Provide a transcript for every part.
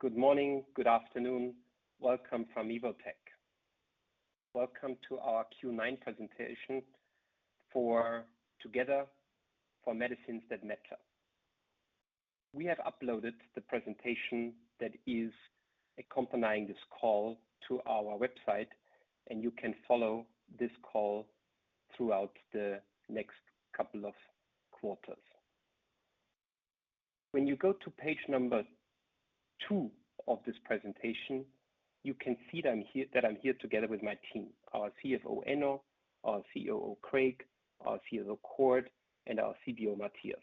Good morning, good afternoon. Welcome from Evotec. Welcome to our Q3 nine-month presentation for Together for Medicines that Matter. We have uploaded the presentation that is accompanying this call to our website and you can follow this call throughout the next couple of quarters. When you go to page two of this presentation, you can see them here, that I'm here together with my team, our CFO, Enno, our COO, Craig, our CSO, Cord and our CBO, Matthias.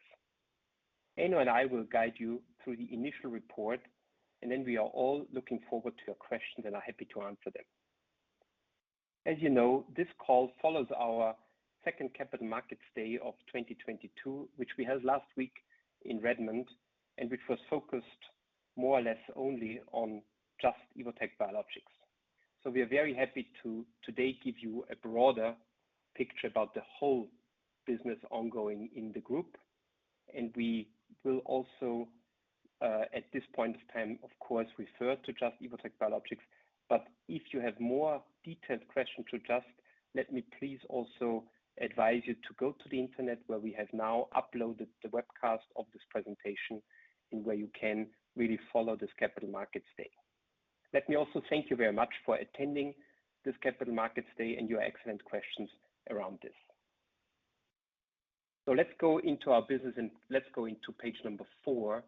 Enno and I will guide you through the initial report and then we are all looking forward to your questions and are happy to answer them. As you know, this call follows our second Capital Markets Day of 2022, which we held last week in Redmond and which was focused more or less only on Just - Evotec Biologics. We are very happy to today give you a broader picture about the whole business ongoing in the group. We will also, at this point of time, of course, refer to Just - Evotec Biologics. If you have more detailed questions, just let me please also advise you to go to the internet, where we have now uploaded the webcast of this presentation and where you can really follow this Capital Markets Day. Let me also thank you very much for attending this Capital Markets Day and your excellent questions around this. Let's go into our business and let's go into page number four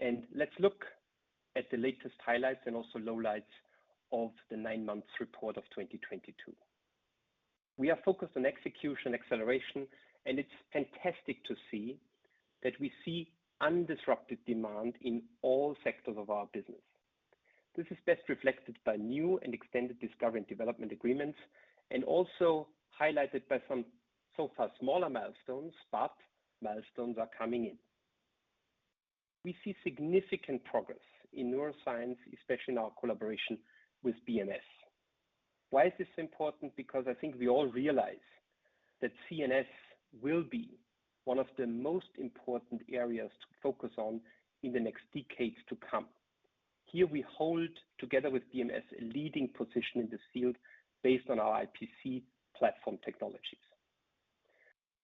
and let's look at the latest highlights and also lowlights of the nine months report of 2022. We are focused on execution, acceleration and it's fantastic to see that we see undisrupted demand in all sectors of our business. This is best reflected by new and extended discovery and development agreements and also highlighted by some so far smaller milestones but milestones are coming in. We see significant progress in neuroscience, especially in our collaboration with BMS. Why is this important? Because I think we all realize that CNS will be one of the most important areas to focus on in the next decades to come. Here we hold, together with BMS, a leading position in this field based on our iPSC platform technologies.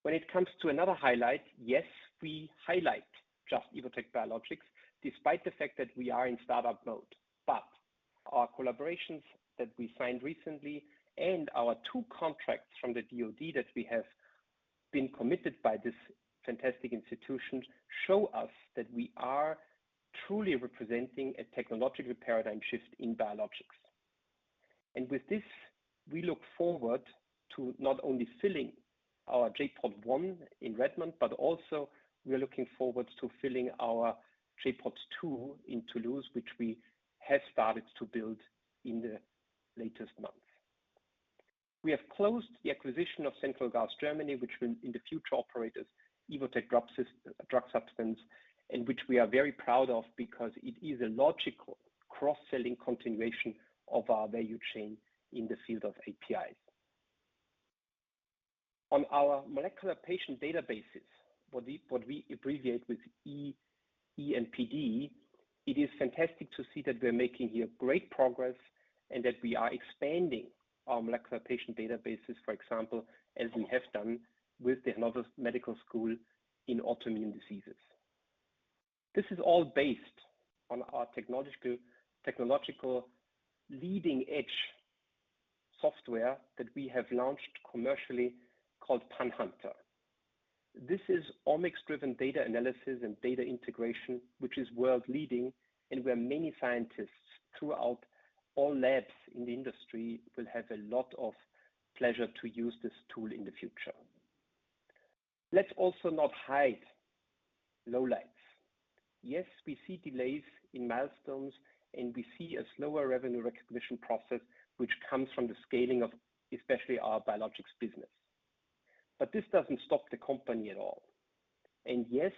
When it comes to another highlight, yes, we highlight Just - Evotec Biologics despite the fact that we are in start-up mode. Our collaborations that we signed recently and our two contracts from the DoD that we have been committed by this fantastic institution show us that we are truly representing a technological paradigm shift in biologics. With this, we look forward to not only filling our J.POD 1 in Redmond but also we are looking forward to filling our J.POD 2 in Toulouse, which we have started to build in the last month. We have closed the acquisition of Central Glass Germany, which will in the future operate as Evotec Drug Substance and which we are very proud of because it is a logical cross-selling continuation of our value chain in the field of APIs. On our molecular patient databases, what we abbreviate with E.MPD, it is fantastic to see that we're making here great progress and that we are expanding our molecular patient databases, for example, as we have done with the Hannover Medical School in autoimmune diseases. This is all based on our technological leading-edge software that we have launched commercially called PanHunter. This is omics-driven data analysis and data integration, which is world-leading and where many scientists throughout all labs in the industry will have a lot of pleasure to use this tool in the future. Let's also not hide lowlights. Yes, we see delays in milestones and we see a slower revenue recognition process, which comes from the scaling of especially our biologics business. This doesn't stop the company at all. Yes,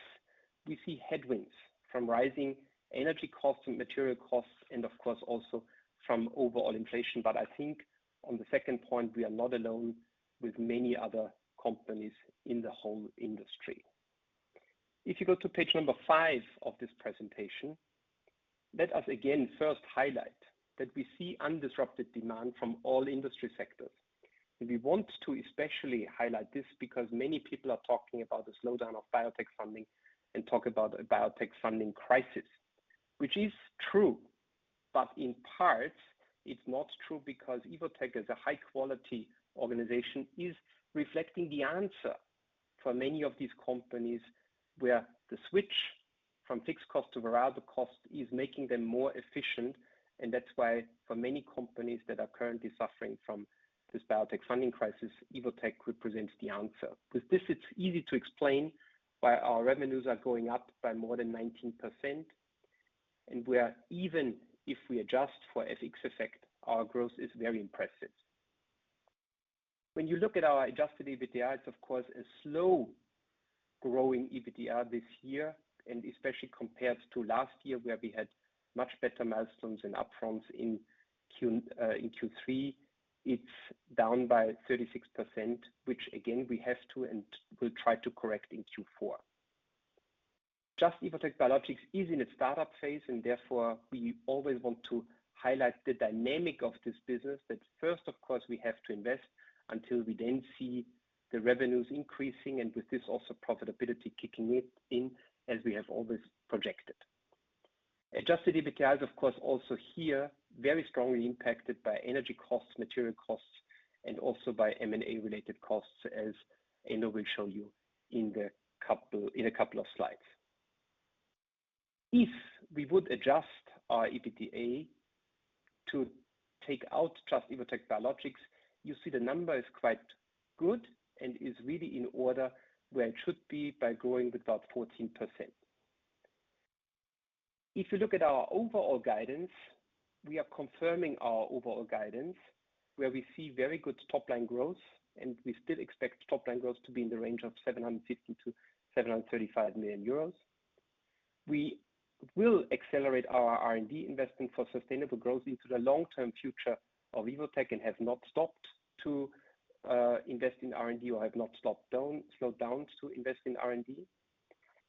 we see headwinds from rising energy costs and material costs and of course, also from overall inflation. I think on the second point, we are not alone with many other companies in the whole industry. If you go to page number five of this presentation, let us again first highlight that we see undisrupted demand from all industry sectors. We want to especially highlight this because many people are talking about the slowdown of biotech funding and talk about a biotech funding crisis, which is true but in parts it's not true because Evotec as a high-quality organization is reflecting the answer for many of these companies, where the switch from fixed cost to variable cost is making them more efficient. That's why for many companies that are currently suffering from this biotech funding crisis, Evotec represents the answer. With this it's easy to explain why our revenues are going up by more than 19% and even if we adjust for FX effect, our growth is very impressive. When you look at our adjusted EBITDA, it's of course a slow growing EBITDA this year and especially compared to last year, where we had much better milestones and upfronts in Q3. It's down by 36%, which again, we have to and will try to correct in Q4. Just - Evotec Biologics is in its startup phase and therefore, we always want to highlight the dynamic of this business that first. Of course, we have to invest until we then see the revenues increasing and with this also profitability kicking it in as we have always projected. Adjusted EBITDA's, of course, also here very strongly impacted by energy costs, material costs and also by M&A related costs, as Enno will show you in a couple of slides. If we would adjust our EBITDA to take out Just - Evotec Biologics, you see the number is quite good and is really in order where it should be by growing with about 14%. If you look at our overall guidance, we are confirming our overall guidance, where we see very good top line growth and we still expect top line growth to be in the range of 750 million-735 million euros. We will accelerate our R&D investment for sustainable growth into the long-term future of Evotec and have not stopped to invest in R&D or have not slowed down to invest in R&D.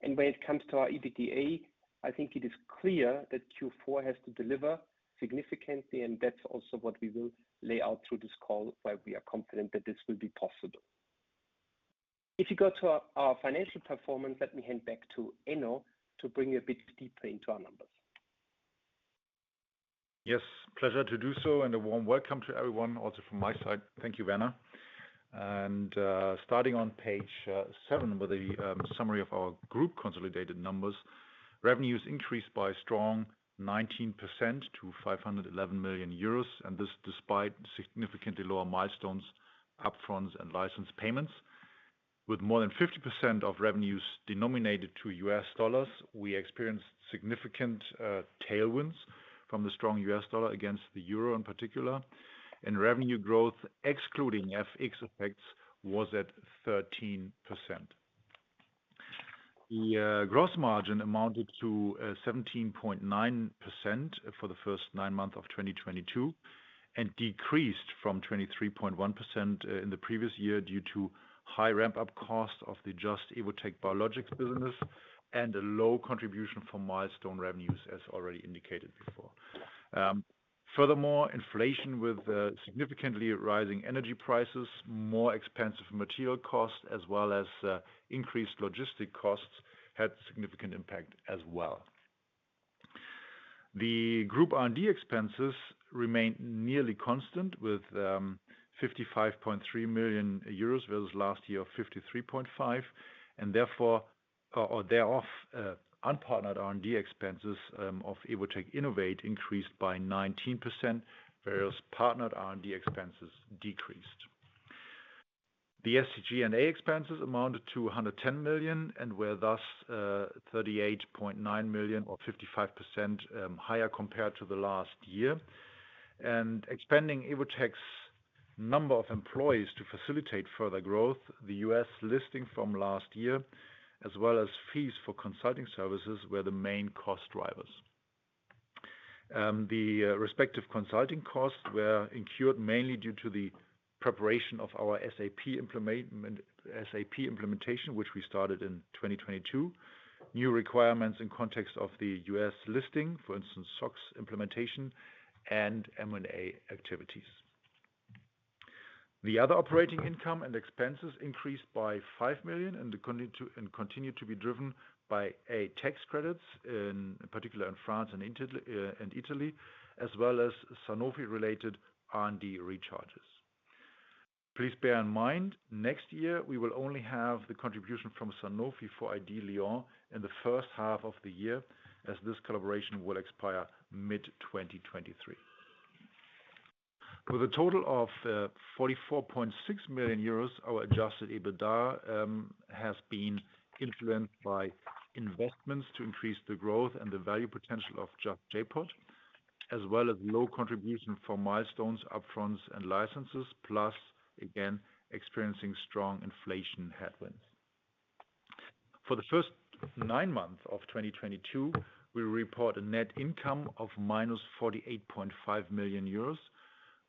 When it comes to our EBITDA, I think it is clear that Q4 has to deliver significantly and that's also what we will lay out through this call, why we are confident that this will be possible. If you go to our financial performance, let me hand back to Enno to bring you a bit deeper into our numbers. Yes. Pleasure to do so and a warm welcome to everyone also from my side. Thank you, Werner. Starting on page 7 with the summary of our group consolidated numbers. Revenues increased by strong 19% to 511 million euros and this despite significantly lower milestones, upfronts and license payments. With more than 50% of revenues denominated to US dollars, we experienced significant tailwinds from the strong US dollar against the euro in particular and revenue growth, excluding FX effects, was at 13%. The gross margin amounted to 17.9% for the first nine months of 2022 and decreased from 23.1% in the previous year due to high ramp-up costs of the Just - Evotec Biologics business and a low contribution from milestone revenues, as already indicated before. Furthermore, inflation with significantly rising energy prices, more expensive material costs, as well as increased logistic costs had significant impact as well. The group R&D expenses remained nearly constant, with 55.3 million euros versus last year of 53.5 million and therefore thereof unpartnered R&D expenses of Evotec Innovate increased by 19%, whereas partnered R&D expenses decreased. The SG&A expenses amounted to 110 million and were thus 38.9 million or 55% higher compared to the last year. Expanding Evotec's number of employees to facilitate further growth, the US listing from last year, as well as fees for consulting services were the main cost drivers. The respective consulting costs were incurred mainly due to the preparation of our SAP implementation, which we started in 2022. New requirements in context of the U.S. listing, for instance, SOX implementation and M&A activities. The other operating income and expenses increased by 5 million and continue to be driven by tax credits, in particular in France and Italy, as well as Sanofi-related R&D recharges. Please bear in mind, next year we will only have the contribution from Sanofi for ID Lyon in the first half of the year, as this collaboration will expire mid-2023. With a total of 44.6 million euros, our adjusted EBITDA has been influenced by investments to increase the growth and the value potential of J.POD, as well as low contribution for milestones, upfronts and licenses, plus again, experiencing strong inflation headwinds. For the first nine months of 2022, we report a net income of -48.5 million euros,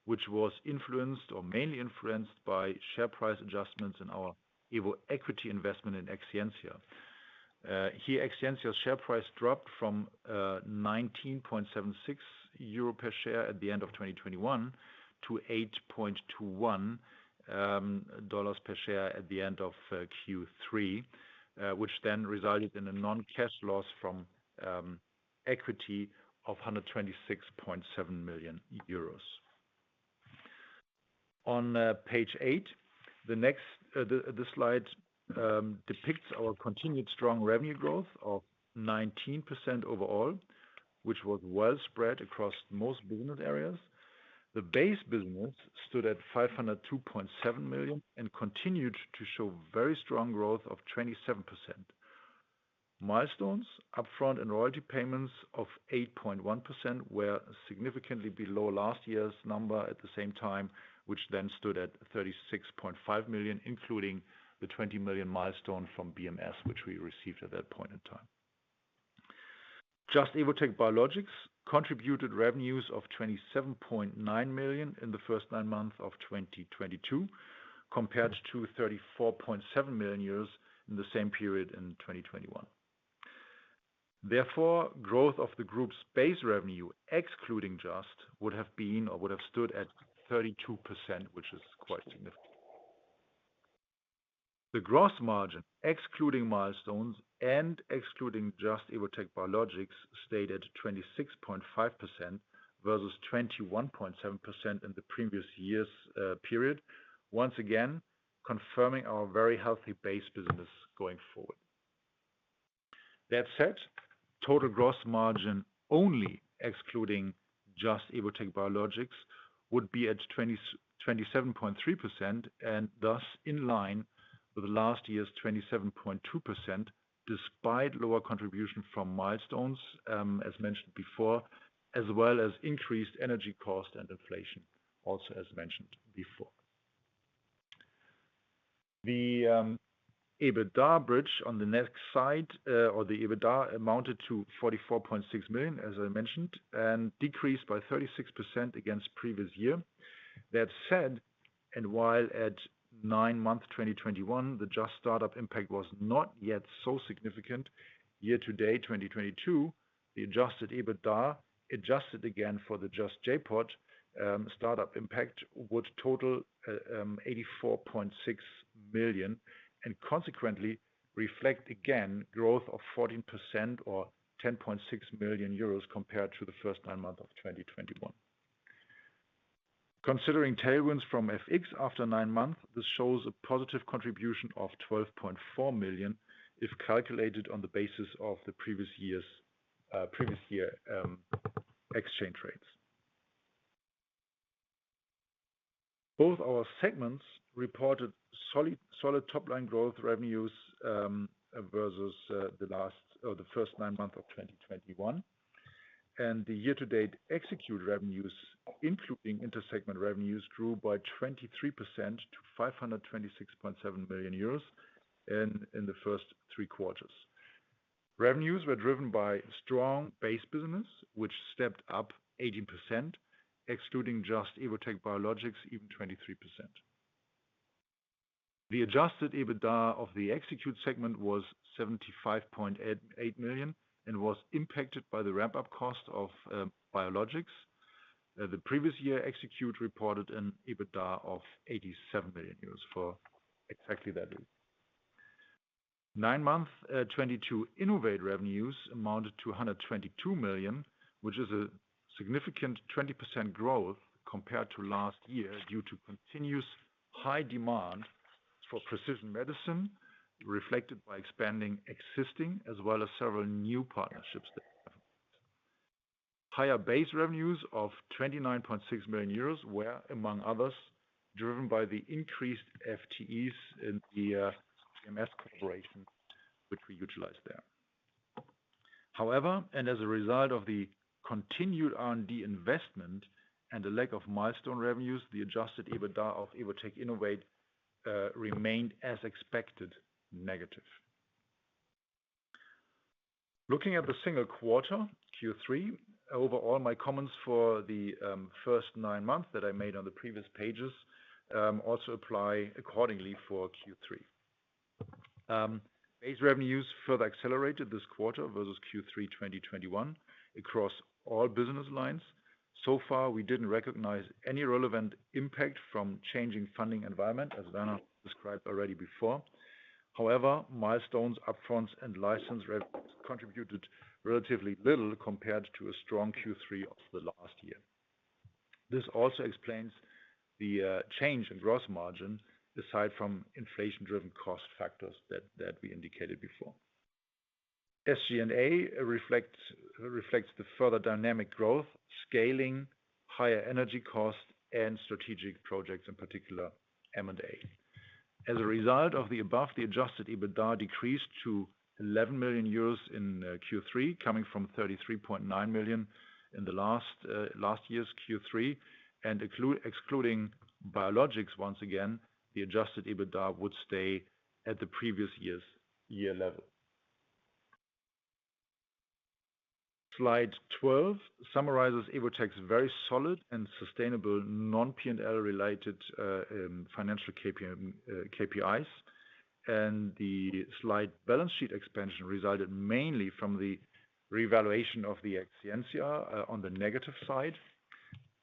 which was influenced or mainly influenced by share price adjustments in our Evotec equity investment in Exscientia. Here Exscientia share price dropped from 19.76 euros per share at the end of 2021 to $8.21 per share at the end of Q3, which then resulted in a non-cash loss from equity of EUR 126.7 million. On page 8, this slide depicts our continued strong revenue growth of 19% overall, which was well spread across most business areas. The base business stood at 502.7 million and continued to show very strong growth of 27%. Milestones, upfront and royalty payments of 8.1 million were significantly below last year's number at the same time, which then stood at 36.5 million, including the 20 million milestone from BMS, which we received at that point in time. Just - Evotec Biologics contributed revenues of 27.9 million in the first nine months of 2022 compared to 34.7 million euros in the same period in 2021. Therefore, growth of the group's base revenue excluding Just would have been or would have stood at 32%, which is quite significant. The gross margin excluding milestones and excluding Just - Evotec Biologics stayed at 26.5% versus 21.7% in the previous year's period. Once again, confirming our very healthy base business going forward. That said, total gross margin only excluding Just - Evotec Biologics would be at 27.3% and thus in line with last year's 27.2% despite lower contribution from milestones, as mentioned before, as well as increased energy cost and inflation also as mentioned before. The EBITDA bridge on the next slide or the EBITDA amounted to 44.6 million, as I mentioned and decreased by 36% against previous year. That said, while at nine-month 2021 the Just startup impact was not yet so significant, year-to-date 2022, the adjusted EBITDA adjusted again for the J.POD startup impact would total 84.6 million and consequently reflect again growth of 14% or 10.6 million euros compared to the first nine months of 2021. Considering tailwinds from FX after nine months, this shows a positive contribution of 12.4 million if calculated on the basis of the previous year's exchange rates. Both our segments reported solid top line growth revenues versus the last or the first nine months of 2021. The year-to-date Evotec revenues, including inter-segment revenues, grew by 23% to 526.7 million euros in the first three quarters. Revenues were driven by strong base business which stepped up 18% excluding Just - Evotec Biologicseven 23%. The adjusted EBITDA of the Evotec segment was 75.8 million and was impacted by the ramp-up cost of biologics. The previous year Evotec reported an EBITDA of 87 million euros for exactly that reason. Nine-month 2022 innovate revenues amounted to 122 million, which is a significant 20% growth compared to last year due to continuous high demand for precision medicine reflected by expanding existing as well as several new partnerships that we have. Higher base revenues of 29.6 million euros were, among others, driven by the increased FTEs in the BMS collaboration which we utilize there. However and as a result of the continued R&D investment and the lack of milestone revenues, the adjusted EBITDA of Evotec Innovate remained as expected negative. Looking at the single quarter, Q3, overall my comments for the first nine months that I made on the previous pages also apply accordingly for Q3. Base revenues further accelerated this quarter versus Q3 2021 across all business lines. So far, we didn't recognize any relevant impact from changing funding environment as Werner described already before. However, milestones, upfronts and license revenues contributed relatively little compared to a strong Q3 of the last year. This also explains the change in gross margin aside from inflation-driven cost factors that we indicated before. SG&A reflects the further dynamic growth, scaling higher energy costs and strategic projects, in particular M&A. As a result of the above, the adjusted EBITDA decreased to 11 million euros in Q3, coming from 33.9 million in the last year's Q3. Excluding biologics once again, the adjusted EBITDA would stay at the previous year's year level. Slide 12 summarizes Evotec's very solid and sustainable non-P&L related financial KPIs. The slight balance sheet expansion resulted mainly from the revaluation of the Exscientia, on the negative side,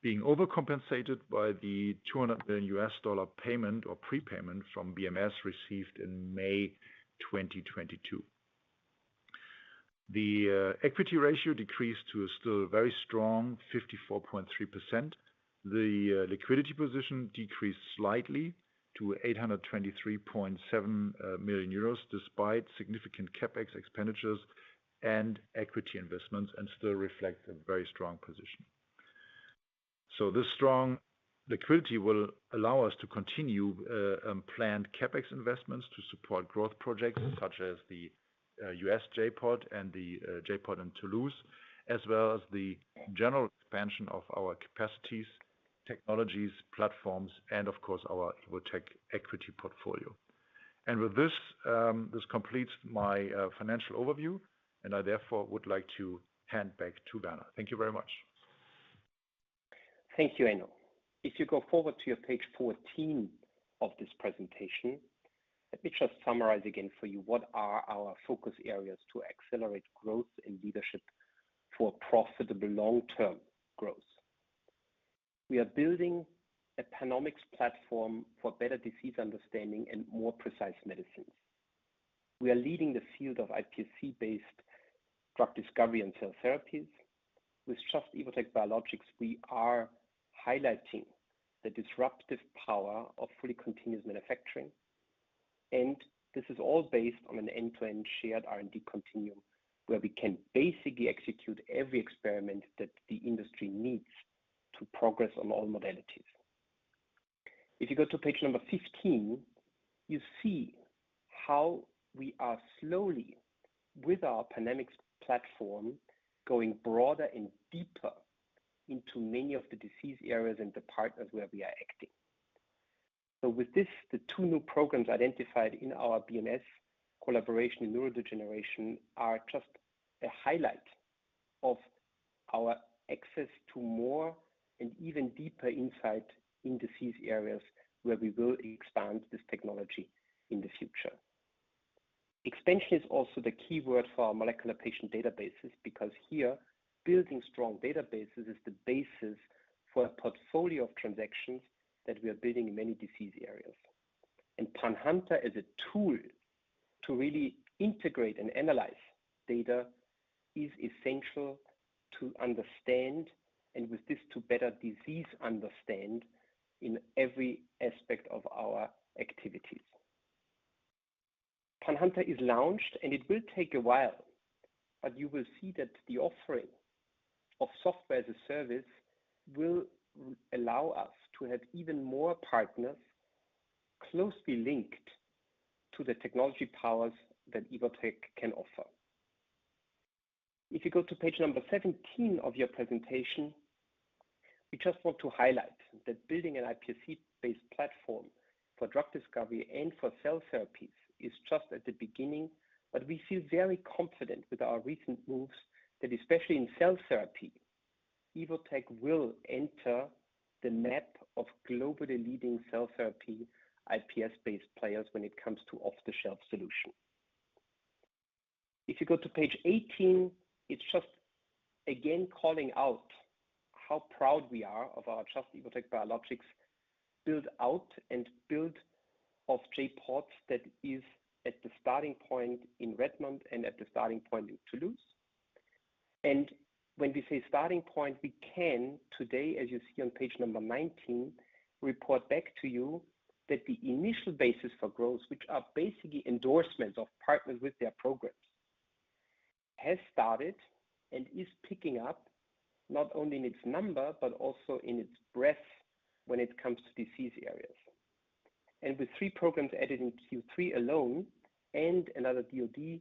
being overcompensated by the $200 million payment or prepayment from BMS received in May 2022. The equity ratio decreased to a still very strong 54.3%. The liquidity position decreased slightly to 823.7 million euros despite significant CapEx expenditures and equity investments and still reflects a very strong position. This strong liquidity will allow us to continue planned CapEx investments to support growth projects such as the US J.POD and the J.POD in Toulouse, as well as the general expansion of our capacities, technologies, platforms and of course our Evotec equity portfolio. With this completes my financial overview and I therefore would like to hand back to Werner. Thank you very much. Thank you, Enno. If you go forward to your page 14 of this presentation, let me just summarize again for you what are our focus areas to accelerate growth and leadership for profitable long-term growth. We are building a Panomics platform for better disease understanding and more precise medicines. We are leading the field of iPSC-based drug discovery and cell therapies. With Just - Evotec Biologics, we are highlighting the disruptive power of fully continuous manufacturing. This is all based on an end-to-end shared R&D continuum, where we can basically execute every experiment that the industry needs to progress on all modalities. If you go to page number 15, you see how we are slowly, with our Panomics platform, going broader and deeper into many of the disease areas and the partners where we are acting. With this, the two new programs identified in our BMS collaboration in neurodegeneration are just a highlight of our access to more and even deeper insight in disease areas where we will expand this technology in the future. Expansion is also the key word for our molecular patient databases because here, building strong databases is the basis for a portfolio of transactions that we are building in many disease areas. PanHunter is a tool to really integrate and analyze data, is essential to understand and with this to better understand disease in every aspect of our activities. PanHunter is launched and it will take a while but you will see that the offering of software as a service will allow us to have even more partners closely linked to the technology powers that Evotec can offer. If you go to page 17 of your presentation, we just want to highlight that building an iPSC-based platform for drug discovery and for cell therapies is just at the beginning but we feel very confident with our recent moves that especially in cell therapy, Evotec will enter the map of globally leading cell therapy iPS-based players when it comes to off-the-shelf solution. If you go to page 18, it's just again calling out how proud we are of our Just - Evotec Biologics build out and build of J.POD that is at the starting point in Redmond and at the starting point in Toulouse. When we say starting point, we can today, as you see on page 19, report back to you that the initial basis for growth, which are basically endorsements of partners with their programs, has started and is picking up not only in its number but also in its breadth when it comes to disease areas. With three programs added in Q3 alone and another DoD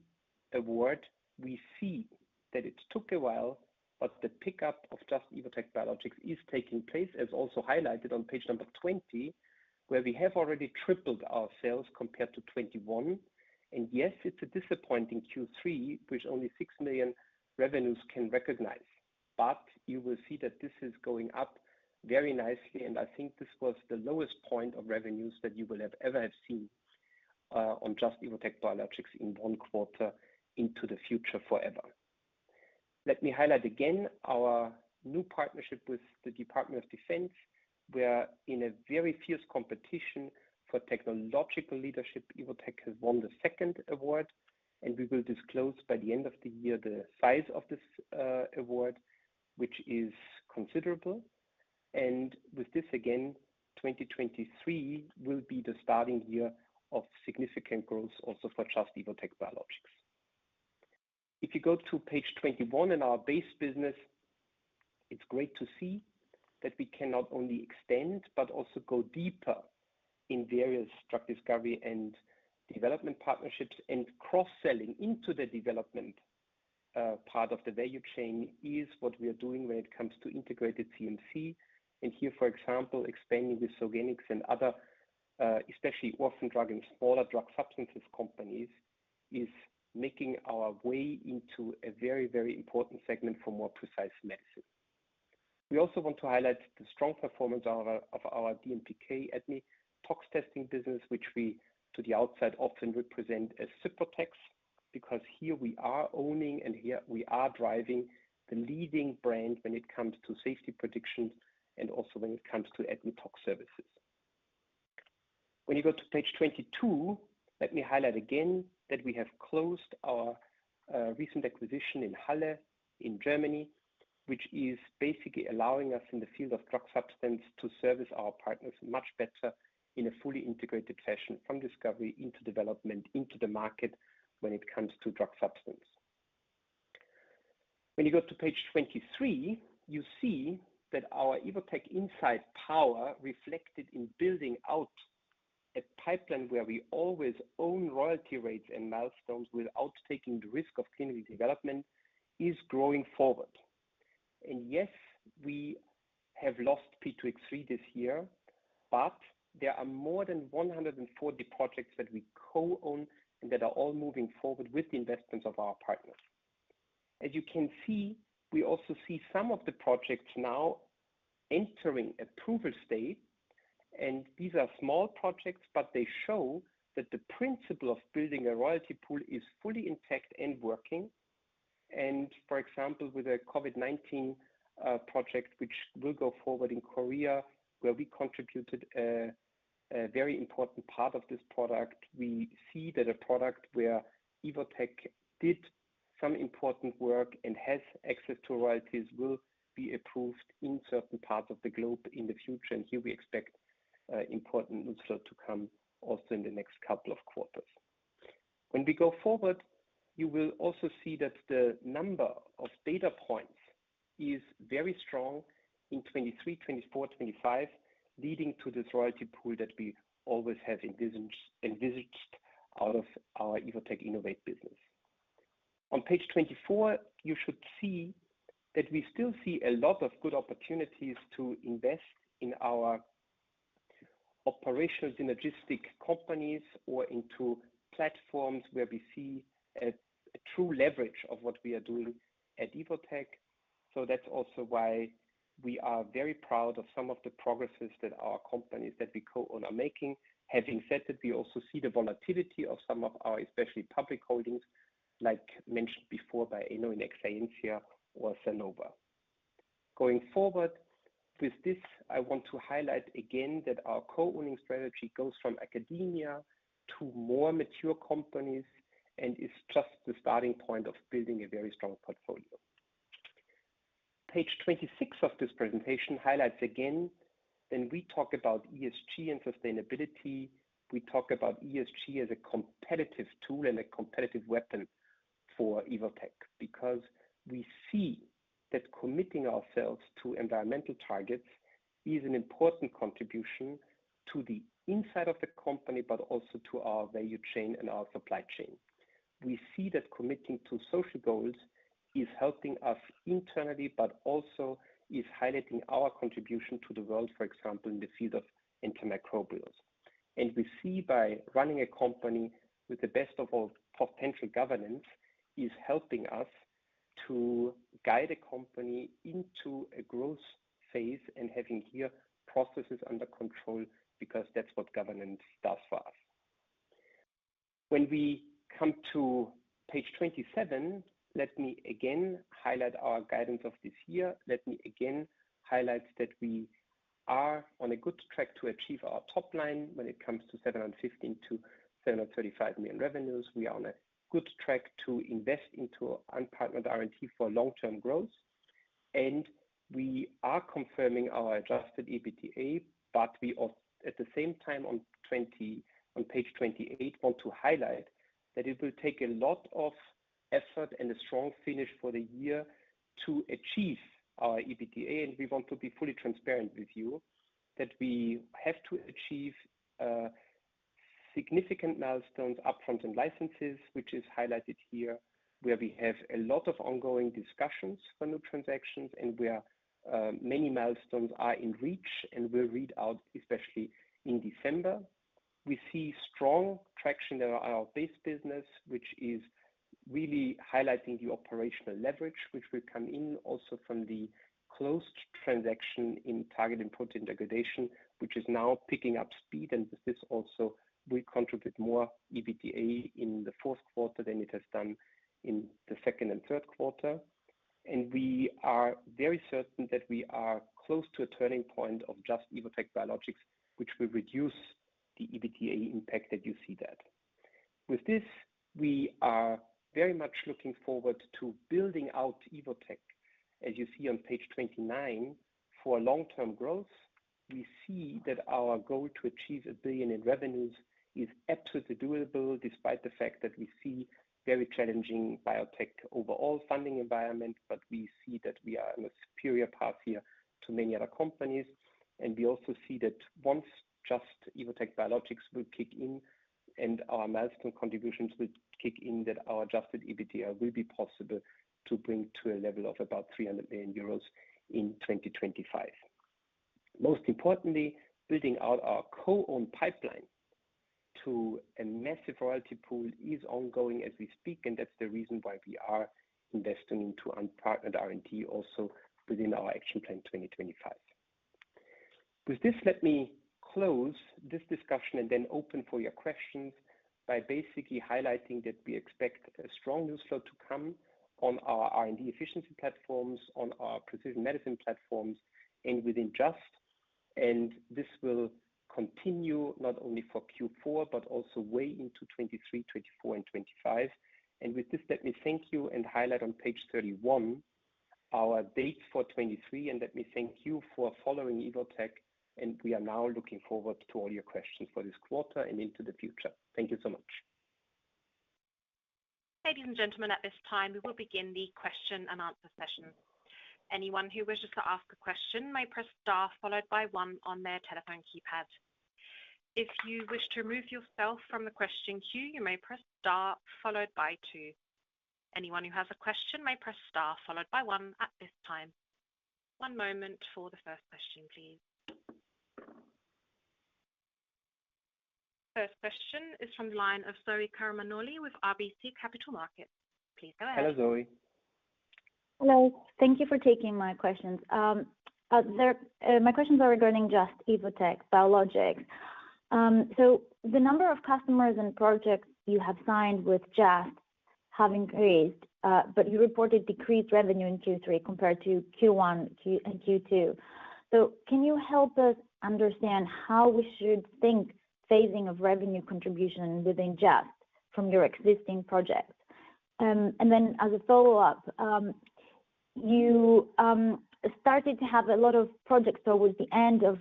award, we see that it took a while but the pickup of Just - Evotec Biologics is taking place, as also highlighted on page 20, where we have already tripled our sales compared to 2021. Yes, it's a disappointing Q3, which only 6 million revenues can recognize. You will see that this is going up very nicely and I think this was the lowest point of revenues that you will have ever seen on Just - Evotec Biologics in one quarter into the future forever. Let me highlight again our new partnership with the Department of Defense. We are in a very fierce competition for technological leadership. Evotec has won the second award and we will disclose by the end of the year the size of this award, which is considerable. With this, again, 2023 will be the starting year of significant growth also for Just - Evotec Biologics. If you go to page 21 in our base business, it's great to see that we can not only extend but also go deeper in various drug discovery and development partnerships and cross-selling into the development, part of the value chain is what we are doing when it comes to integrated CMC. Here, for example, expanding with Soligenix and other, especially orphan drug and smaller drug substances companies is making our way into a very, very important segment for more precision medicine. We also want to highlight the strong performance of our DMPK ADME/Tox testing business which we to the outside often represent as Cyprotex because here we are owning and here we are driving the leading brand when it comes to safety predictions and also when it comes to ADME/Tox services. When you go to page 22, let me highlight again that we have closed our recent acquisition in Halle in Germany, which is basically allowing us in the field of drug substance to service our partners much better in a fully integrated fashion from discovery into development into the market when it comes to drug substance. When you go to page 23, you see that our Evotec Innovate reflected in building out a pipeline where we always own royalty rates and milestones without taking the risk of clinical development is growing forward. Yes, we have lost P2X3 this year but there are more than 140 projects that we co-own and that are all moving forward with the investments of our partners. As you can see, we also see some of the projects now entering approval state and these are small projects but they show that the principle of building a royalty pool is fully intact and working. For example, with the COVID-19 project, which will go forward in Korea, where we contributed a very important part of this product, we see that a product where Evotec did some important work and has access to royalties will be approved in certain parts of the globe in the future. Here we expect important news flow to come also in the next couple of quarters. When we go forward, you will also see that the number of data points is very strong in 2023, 2024, 2025, leading to this royalty pool that we always have envisaged out of our Evotec Innovate business. On page 24, you should see that we still see a lot of good opportunities to invest in our operations in logistics companies or into platforms where we see a true leverage of what we are doing at Evotec. That's also why we are very proud of some of the progresses that our companies that we co-own are making. Having said that, we also see the volatility of some of our especially public holdings, like mentioned before by Enno in Exscientia or Sanofi. Going forward, with this, I want to highlight again that our co-owning strategy goes from academia to more mature companies and is just the starting point of building a very strong portfolio. Page 26 of this presentation highlights again, when we talk about ESG and sustainability, we talk about ESG as a competitive tool and a competitive weapon for Evotec because we see that committing ourselves to environmental targets is an important contribution to the inside of the company but also to our value chain and our supply chain. We see that committing to social goals is helping us internally but also is highlighting our contribution to the world, for example, in the field of antimicrobials. We see by running a company with the best of all potential governance is helping us to guide the company into a growth phase and having here processes under control because that's what governance does for us. When we come to page 27, let me again highlight our guidance of this year. Let me again highlight that we are on a good track to achieve our top line when it comes to 715 million-735 million revenues. We are on a good track to invest into unpartnered R&D for long-term growth. We are confirming our adjusted EBITDA but we at the same time on page 28, want to highlight that it will take a lot of effort and a strong finish for the year to achieve our EBITDA. We want to be fully transparent with you that we have to achieve significant milestones upfront and licenses, which is highlighted here, where we have a lot of ongoing discussions for new transactions and where many milestones are in reach and will read out, especially in December. We see strong traction in our base business, which is really highlighting the operational leverage, which will come in also from the closed transaction in targeted protein degradation, which is now picking up speed. This also will contribute more EBITDA in the fourth quarter than it has done in the second and third quarter. We are very certain that we are close to a turning point of Just - Evotec Biologics, which will reduce the EBITDA impact that you see that. With this, we are very much looking forward to building out Evotec, as you see on page 29, for long-term growth. We see that our goal to achieve 1 billion in revenues is absolutely doable despite the fact that we see very challenging biotech overall funding environment but we see that we are on a superior path here to many other companies. We also see that once Just - Evotec Biologics will kick in and our milestone contributions will kick in, that our adjusted EBITDA will be possible to bring to a level of about 300 million euros in 2025. Most importantly, building out our co-owned pipeline to a massive royalty pool is ongoing as we speak and that's the reason why we are investing into unpartnered R&D also within our Action Plan 2025. With this, let me close this discussion and then open for your questions by basically highlighting that we expect a strong news flow to come on our R&D efficiency platforms, on our precision medicine platforms and within Just. This will continue not only for Q4 but also way into 2023, 2024 and 2025. With this, let me thank you and highlight on page 31 our data for 2023 and let me thank you for following Evotec. We are now looking forward to all your questions for this quarter and into the future. Thank you so much. Ladies and gentlemen, at this time, we will begin the question and answer session. Anyone who wishes to ask a question may press star followed by one on their telephone keypad. If you wish to remove yourself from the question queue, you may press star followed by two. Anyone who has a question may press star followed by one at this time. One moment for the first question, please. First question is from the line of Zoe Karamanoli with RBC Capital Markets. Please go ahead. Hello, Zoe. Hello. Thank you for taking my questions. My questions are regarding Just - Evotec Biologics. The number of customers and projects you have signed with Just have increased but you reported decreased revenue in Q3 compared to Q1 and Q2. Can you help us understand how we should think phasing of revenue contribution within Just from your existing projects? As a follow-up, you started to have a lot of projects towards the end of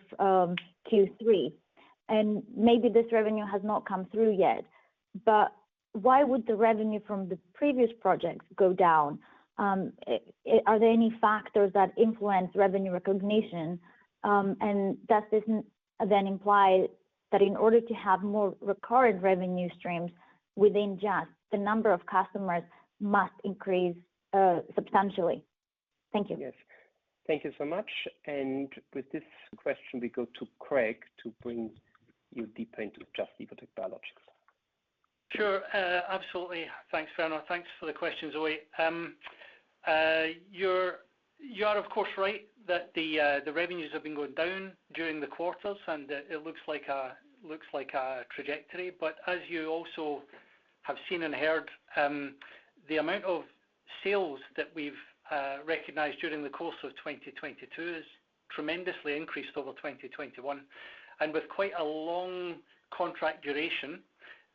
Q3 and maybe this revenue has not come through yet but why would the revenue from the previous projects go down? Are there any factors that influence revenue recognition? Does this then imply that in order to have more recurrent revenue streams within Just the number of customers must increase substantially? Thank you. Yes. Thank you so much. With this question we go to Craig to bring you deeper into Just - Evotec Biologics. Sure. Absolutely. Thanks, Werner. Thanks for the question, Zoe. You are of course right that the revenues have been going down during the quarters and it looks like a trajectory. As you also have seen and heard, the amount of sales that we've recognized during the course of 2022 has tremendously increased over 2021. With quite a long contract duration,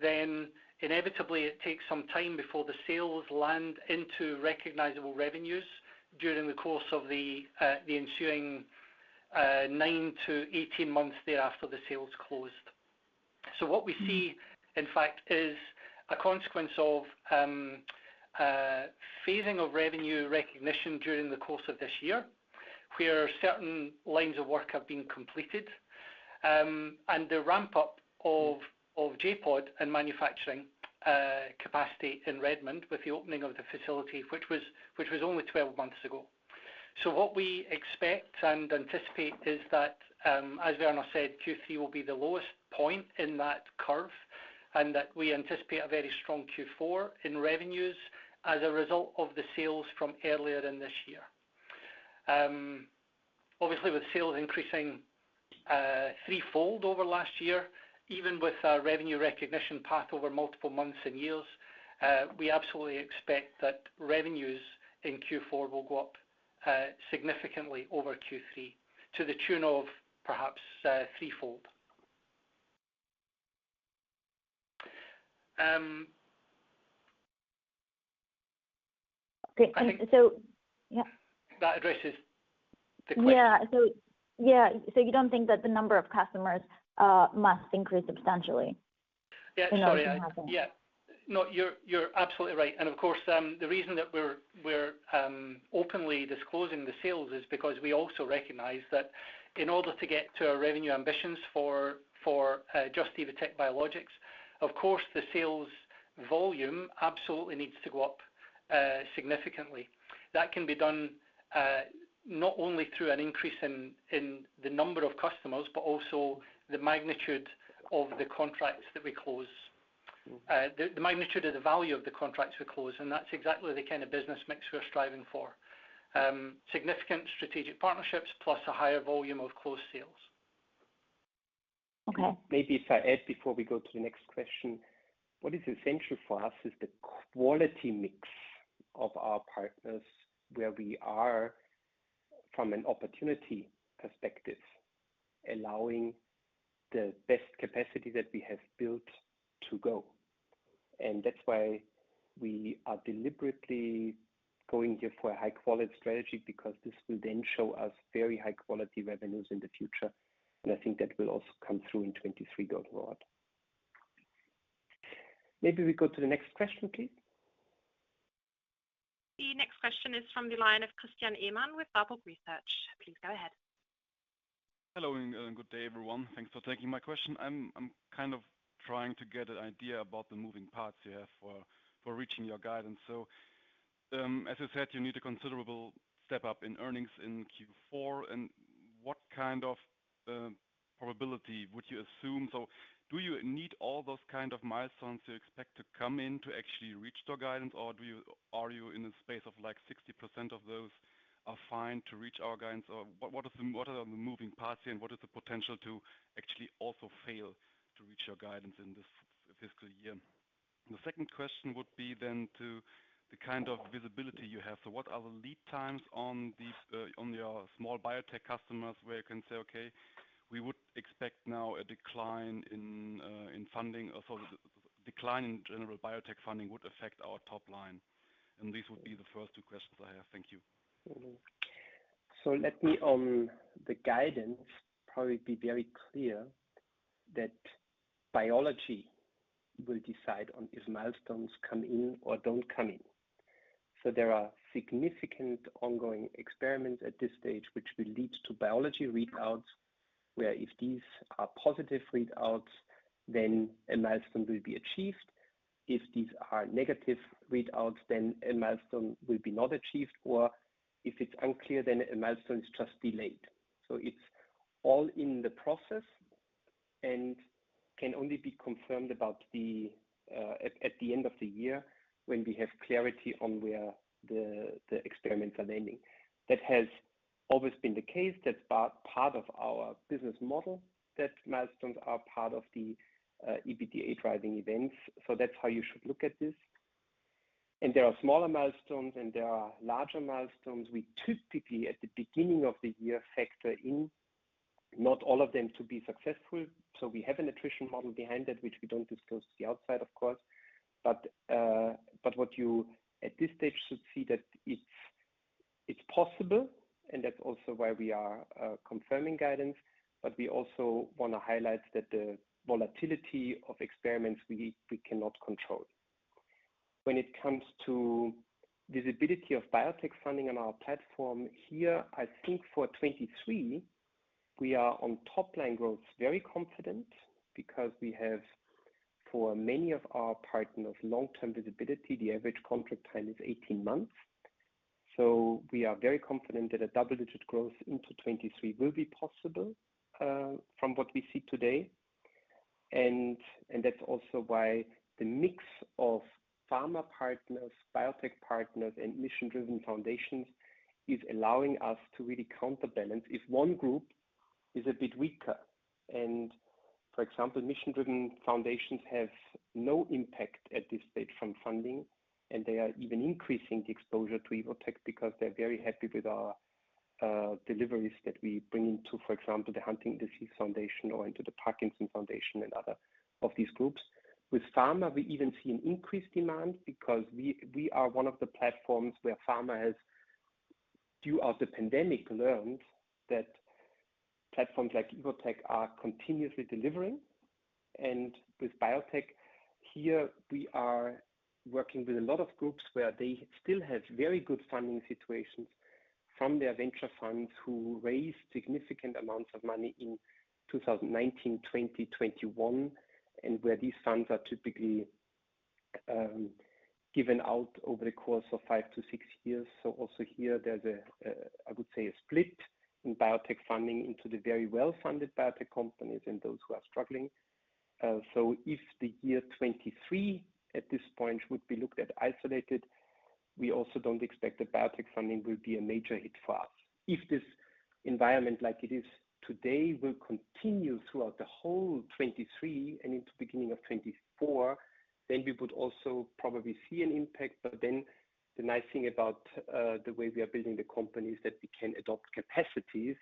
then inevitably it takes some time before the sales land into recognizable revenues during the course of the ensuing nine-18 months thereafter the sales closed. What we see, in fact, is a consequence of phasing of revenue recognition during the course of this year, where certain lines of work have been completed and the ramp-up of J.POD and manufacturing capacity in Redmond with the opening of the facility, which was only 12 months ago. What we expect and anticipate is that, as Werner said, Q3 will be the lowest point in that curve and that we anticipate a very strong Q4 in revenues as a result of the sales from earlier in this year. Obviously with sales increasing threefold over last year, even with our revenue recognition path over multiple months and years, we absolutely expect that revenues in Q4 will go up significantly over Q3 to the tune of perhaps threefold. I think that addresses the question. You don't think that the number of customers must increase substantially in order to have them? Yeah, sorry. Yeah. No, you're absolutely right. Of course, the reason that we're openly disclosing the sales is because we also recognize that in order to get to our revenue ambitions for Just - Evotec Biologics, of course, the sales volume absolutely needs to go up significantly. That can be done not only through an increase in the number of customers but also the magnitude of the contracts that we close. The magnitude of the value of the contracts we close and that's exactly the kind of business mix we're striving for. Significant strategic partnerships plus a higher volume of closed sales. Maybe if I add before we go to the next question, what is essential for us is the quality mix of our partners, where we are from an opportunity perspective, allowing the best capacity that we have built to go. That's why we are deliberately going here for a high-quality strategy because this will then show us very high-quality revenues in the future. I think that will also come through in 2023 going forward. Maybe we go to the next question, please. The next question is from the line of Christian Ehmann with Warburg Research. Please go ahead. Hello and good day, everyone. Thanks for taking my question. I'm kind of trying to get an idea about the moving parts you have for reaching your guidance. As I said, you need a considerable step up in earnings in Q4 and what kind of probability would you assume? Do you need all those kind of milestones you expect to come in to actually reach your guidance or are you in a space of like 60% of those are fine to reach our guidance? What are the moving parts here and what is the potential to actually also fail to reach your guidance in this fiscal year? The second question would be then to the kind of visibility you have. What are the lead times on these, on your small biotech customers where you can say, "Okay, we would expect now a decline in funding." Or, a decline in general biotech funding would affect our top line. These would be the first two questions I have. Thank you. Mm-hmm. Let me be very clear on the guidance that biology will decide on if milestones come in or don't come in. There are significant ongoing experiments at this stage which will lead to biology readouts where if these are positive readouts, then a milestone will be achieved. If these are negative readouts, then a milestone will not be achieved or if it's unclear, then a milestone is just delayed. It's all in the process and can only be confirmed at the end of the year when we have clarity on where the experiments are landing. That has always been the case. That's part of our business model, that milestones are part of the EBITDA driving events. That's how you should look at this. There are smaller milestones and there are larger milestones. We typically, at the beginning of the year, factor in not all of them to be successful. We have an attrition model behind it, which we don't disclose to the outside, of course. What you at this stage should see that it's possible and that's also why we are confirming guidance. We also wanna highlight that the volatility of experiments, we cannot control. When it comes to visibility of biotech funding on our platform, here, I think for 2023, we are on top line growth, very confident because we have, for many of our partners, long-term visibility. The average contract time is 18 months. We are very confident that a double-digit growth into 2023 will be possible, from what we see today. That's also why the mix of pharma partners, biotech partners and mission-driven foundations is allowing us to really counterbalance if one group is a bit weaker. For example, mission-driven foundations have no impact at this stage from funding and they are even increasing the exposure to Evotec because they're very happy with our deliveries that we bring into, for example, the Huntington's Disease Foundation or into the Parkinson's Foundation and other of these groups. With pharma, we even see an increased demand because we are one of the platforms where pharma has, throughout the pandemic, learned that platforms like Evotec are continuously delivering. With biotech, here we are working with a lot of groups where they still have very good funding situations from their venture funds who raised significant amounts of money in 2019, 2020, 2021 and where these funds are typically given out over the course of five to six years. Also here there's a, I would say, a split in biotech funding into the very well-funded biotech companies and those who are struggling. If the year 2023 at this point would be looked at isolated, we also don't expect the biotech funding will be a major hit for us. If this environment like it is today will continue throughout the whole 2023 and into beginning of 2024, then we would also probably see an impact. The nice thing about the way we are building the company is that we can adopt capacities,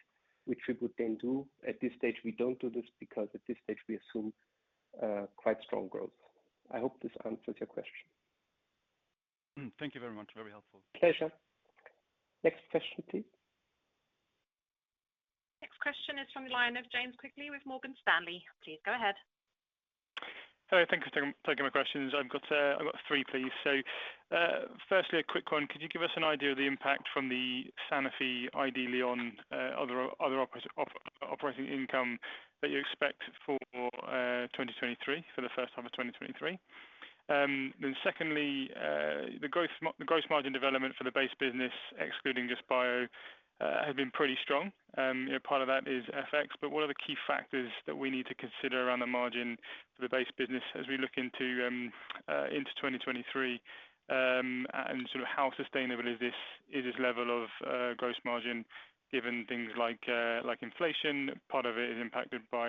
which we would then do. At this stage, we don't do this because at this stage we assume quite strong growth. I hope this answers your question. Thank you very much. Very helpful. Pleasure. Next question, please. Next question is from the line of James Quigley with Morgan Stanley. Please go ahead. Hello. Thank you for taking my questions. I've got three, please. Firstly, a quick one. Could you give us an idea of the impact from the Sanofi (ID Lyon), other operating income that you expect for 2023, for the first half of 2023? Then secondly, the gross margin development for the base business excluding Just - Evotec Biologics have been pretty strong. You know, part of that is FX but what are the key factors that we need to consider around the margin for the base business as we look into 2023 and sort of how sustainable is this level of gross margin given things like inflation, part of it is impacted by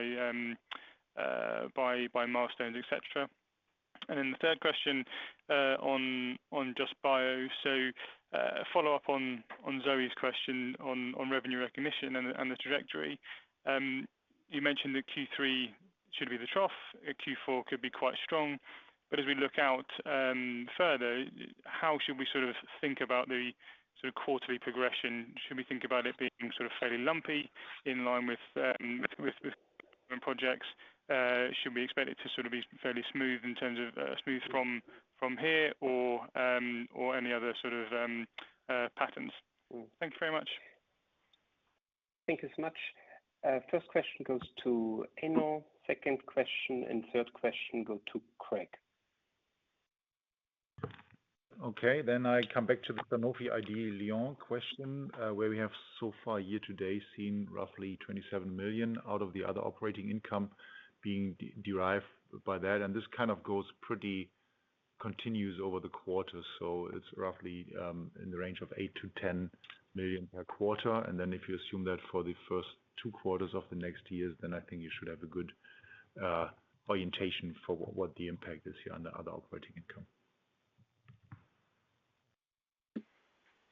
milestones, et cetera. The third question on Just - Evotec Biologics. A follow-up on Zoe's question on revenue recognition and the trajectory. You mentioned that Q3 should be the trough and Q4 could be quite strong. As we look out further, how should we sort of think about the sort of quarterly progression? Should we think about it being sort of fairly lumpy in line with projects? Should we expect it to sort of be fairly smooth in terms of smooth from here or any other sort of patterns? Thank you very much. Thank you so much. First question goes to Enno. Second question and third question go to Craig. Okay. I come back to the Sanofi (ID Lyon) question, where we have so far year to date seen roughly 27 million out of the other operating income being derived by that. This kind of goes pretty continuously over the quarters. It's roughly in the range of 8-10 million per quarter. If you assume that for the first two quarters of the next year, then I think you should have a good orientation for what the impact is here on the other operating income.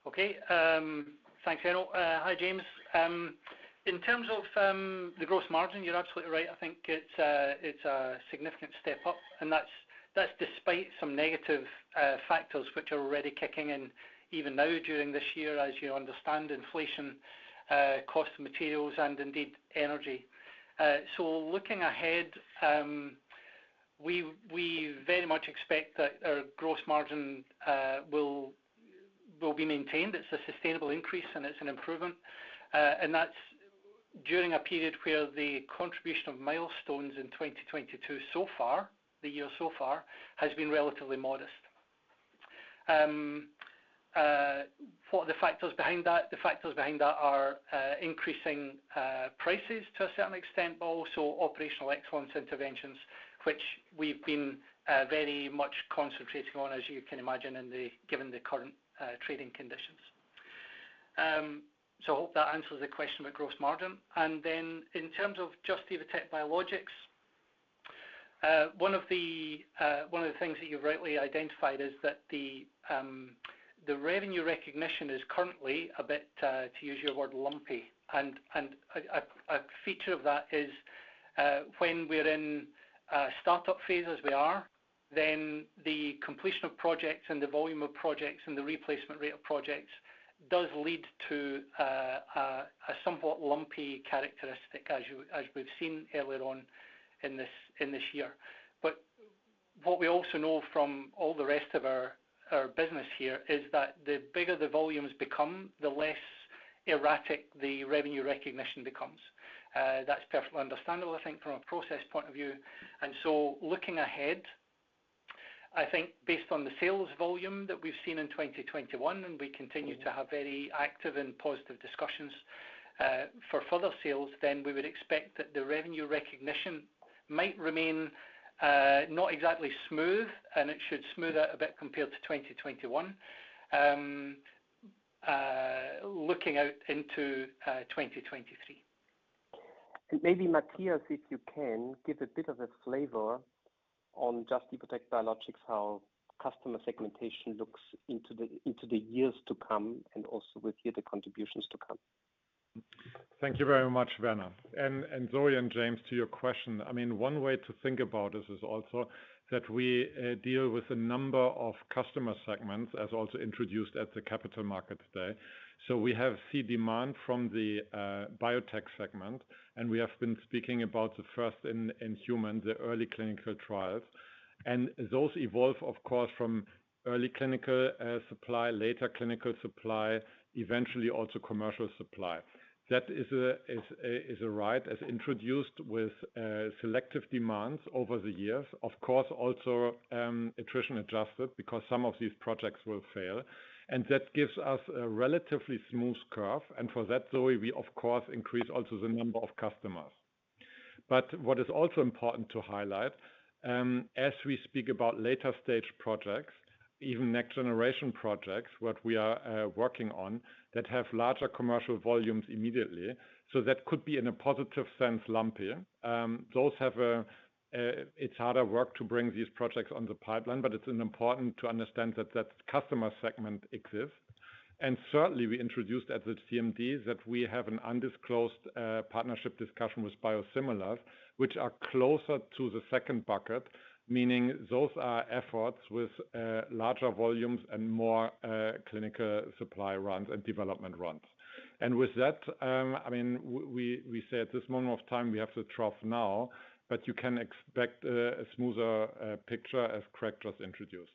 Okay. Thanks, Enno. Hi, James. In terms of the gross margin, you're absolutely right. I think it's a significant step up and that's despite some negative factors which are already kicking in even now during this year as you understand inflation, cost of materials and indeed energy. Looking ahead, we very much expect that our gross margin will be maintained. It's a sustainable increase and it's an improvement. That's during a period where the contribution of milestones in 2022 so far, the year so far, has been relatively modest. What are the factors behind that? The factors behind that are increasing prices to a certain extent but also operational excellence interventions, which we've been very much concentrating on, as you can imagine, given the current trading conditions. I hope that answers the question about gross margin. Then in terms of Just - Evotec Biologics, one of the things that you've rightly identified is that the revenue recognition is currently a bit, to use your word, lumpy. A feature of that is, when we're in a start-up phase as we are, then the completion of projects and the volume of projects and the replacement rate of projects does lead to a somewhat lumpy characteristic as we've seen earlier on in this year. What we also know from all the rest of our business here is that the bigger the volumes become, the less erratic the revenue recognition becomes. That's perfectly understandable, I think, from a process point of view. Looking ahead, I think based on the sales volume that we've seen in 2021 and we continue to have very active and positive discussions for further sales, then we would expect that the revenue recognition might remain not exactly smooth and it should smooth a bit compared to 2021, looking out into 2023. Maybe Matthias, if you can, give a bit of a flavor on Just - Evotec Biologics, how customer segmentation looks into the years to come and also with the other contributions to come. Thank you very much, Werner. Zoe and James, to your question, I mean, one way to think about this is also that we deal with a number of customer segments as also introduced at the Capital Markets Day today. We see demand from the biotech segment and we have been speaking about the first in human, the early clinical trials. Those evolve, of course, from early clinical supply, later clinical supply, eventually also commercial supply. That is right as introduced with selective demands over the years. Of course, also attrition adjusted because some of these projects will fail. That gives us a relatively smooth curve. For that, Zoe, we of course increase also the number of customers. What is also important to highlight, as we speak about later stage projects, even next generation projects, what we are working on that have larger commercial volumes immediately. That could be in a positive sense, lumpier. Those have a it's harder work to bring these projects on the pipeline but it's important to understand that that customer segment exists. Certainly, we introduced at the CMDs that we have an undisclosed partnership discussion with biosimilars, which are closer to the second bucket, meaning those are efforts with larger volumes and more clinical supply runs and development runs. With that, I mean, we say at this moment of time, we have a trough now but you can expect a smoother picture as Craig just introduced.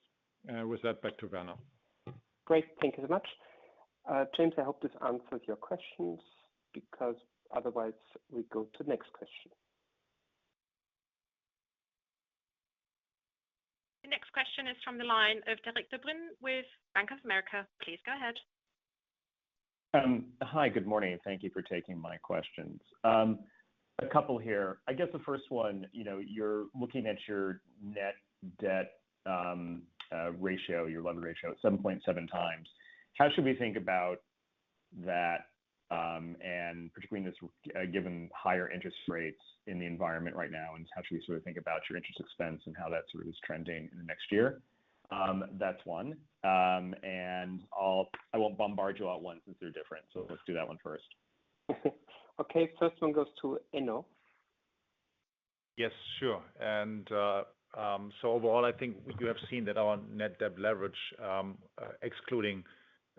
With that, back to Werner. Great. Thank you so much. James, I hope this answered your questions because otherwise we go to the next question. The next question is from the line of Derek De Bruin with Bank of America. Please go ahead. Hi, good morning and thank you for taking my questions. A couple here. I guess the first one, you know, you're looking at your net debt ratio, your leverage ratio at 7.7 times. How should we think about that and particularly in this, given higher interest rates in the environment right now? How should we sort of think about your interest expense and how that sort of is trending in the next year? That's one. I won't bombard you all at once since they're different. Let's do that one first. Okay. First one goes to Enno. Yes, sure. Overall, I think you have seen that our net debt leverage, excluding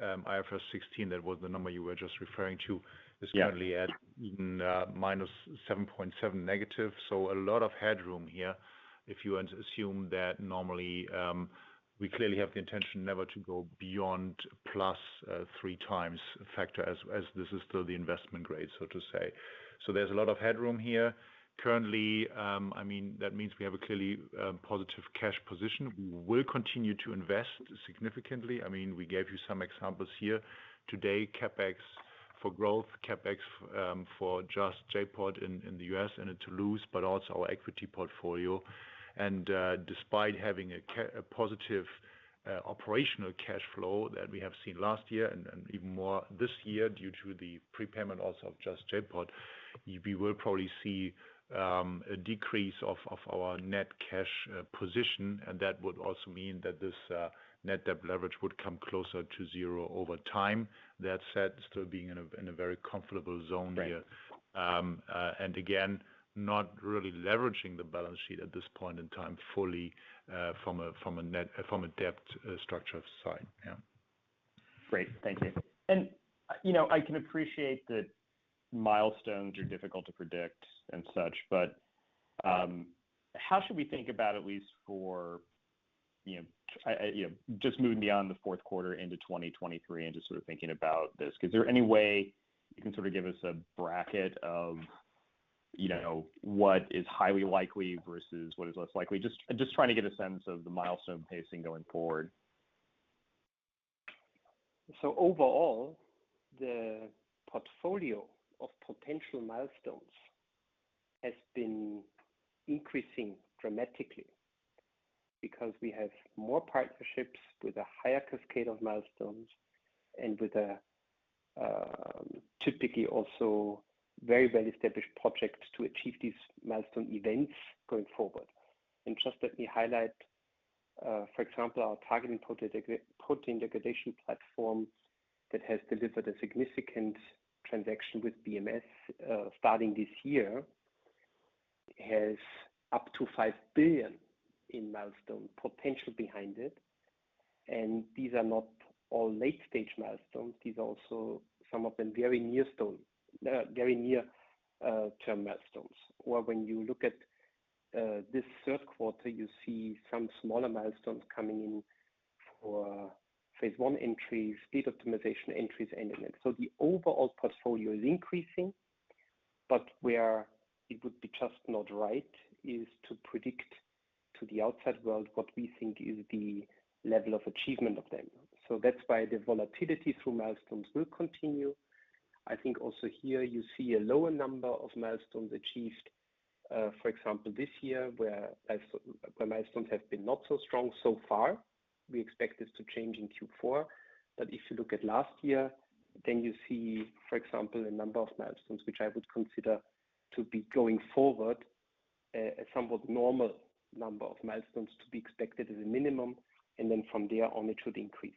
IFRS 16, that was the number you were just referring to is currently at even -7.7 negative. A lot of headroom here, if you assume that normally, we clearly have the intention never to go beyond plus 3x factor as this is still the investment grade, so to say. There's a lot of headroom here. Currently, I mean, that means we have a clearly positive cash position. We will continue to invest significantly. I mean, we gave you some examples here. Today, CapEx for growth, CapEx for J.POD in the US and in Toulouse but also our equity portfolio. Despite having a positive operational cash flow that we have seen last year and even more this year due to the prepayment also of just J.POD, we will probably see a decrease of our net cash position and that would also mean that this net debt leverage would come closer to zero over time. That said, still being in a very comfortable zone here. Again, not really leveraging the balance sheet at this point in time fully, from a debt structure side. Yeah. Great. Thank you. You know, I can appreciate that milestones are difficult to predict and such but how should we think about at least for, you know, just moving beyond the fourth quarter into 2023 and just sort of thinking about this? Is there any way you can sort of give us a bracket of, you know, what is highly likely versus what is less likely? Just trying to get a sense of the milestone pacing going forward. Overall, the portfolio of potential milestones has been increasing dramatically because we have more partnerships with a higher cascade of milestones and with a typically also very well-established project to achieve these milestone events going forward. Just let me highlight, for example, our targeted protein degradation platform that has delivered a significant transaction with BMS starting this year, has up to $5 billion in milestone potential behind it. These are not all late-stage milestones. These are also some of them very near-term milestones. When you look at this third quarter, you see some smaller milestones coming in for phase one entries, stage optimization entries and the like. The overall portfolio is increasing but where it would be just not right is to predict to the outside world what we think is the level of achievement of them. That's why the volatility through milestones will continue. I think also here you see a lower number of milestones achieved, for example, this year where milestones have been not so strong so far. We expect this to change in Q4. If you look at last year, then you see, for example, a number of milestones which I would consider to be going forward a somewhat normal number of milestones to be expected as a minimum. Then from there on, it should increase.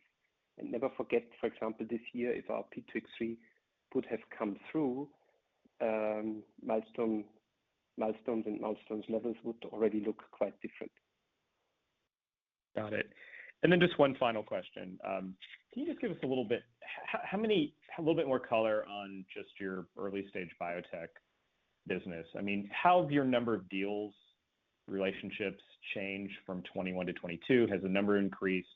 Never forget, for example, this year if our P2X3 would have come through, milestones levels would already look quite different. Got it. Just one final question. Can you just give us a little bit more color on just your early-stage biotech business? I mean, how have your number of deals, relationships changed from 2021 to 2022? Has the number increased?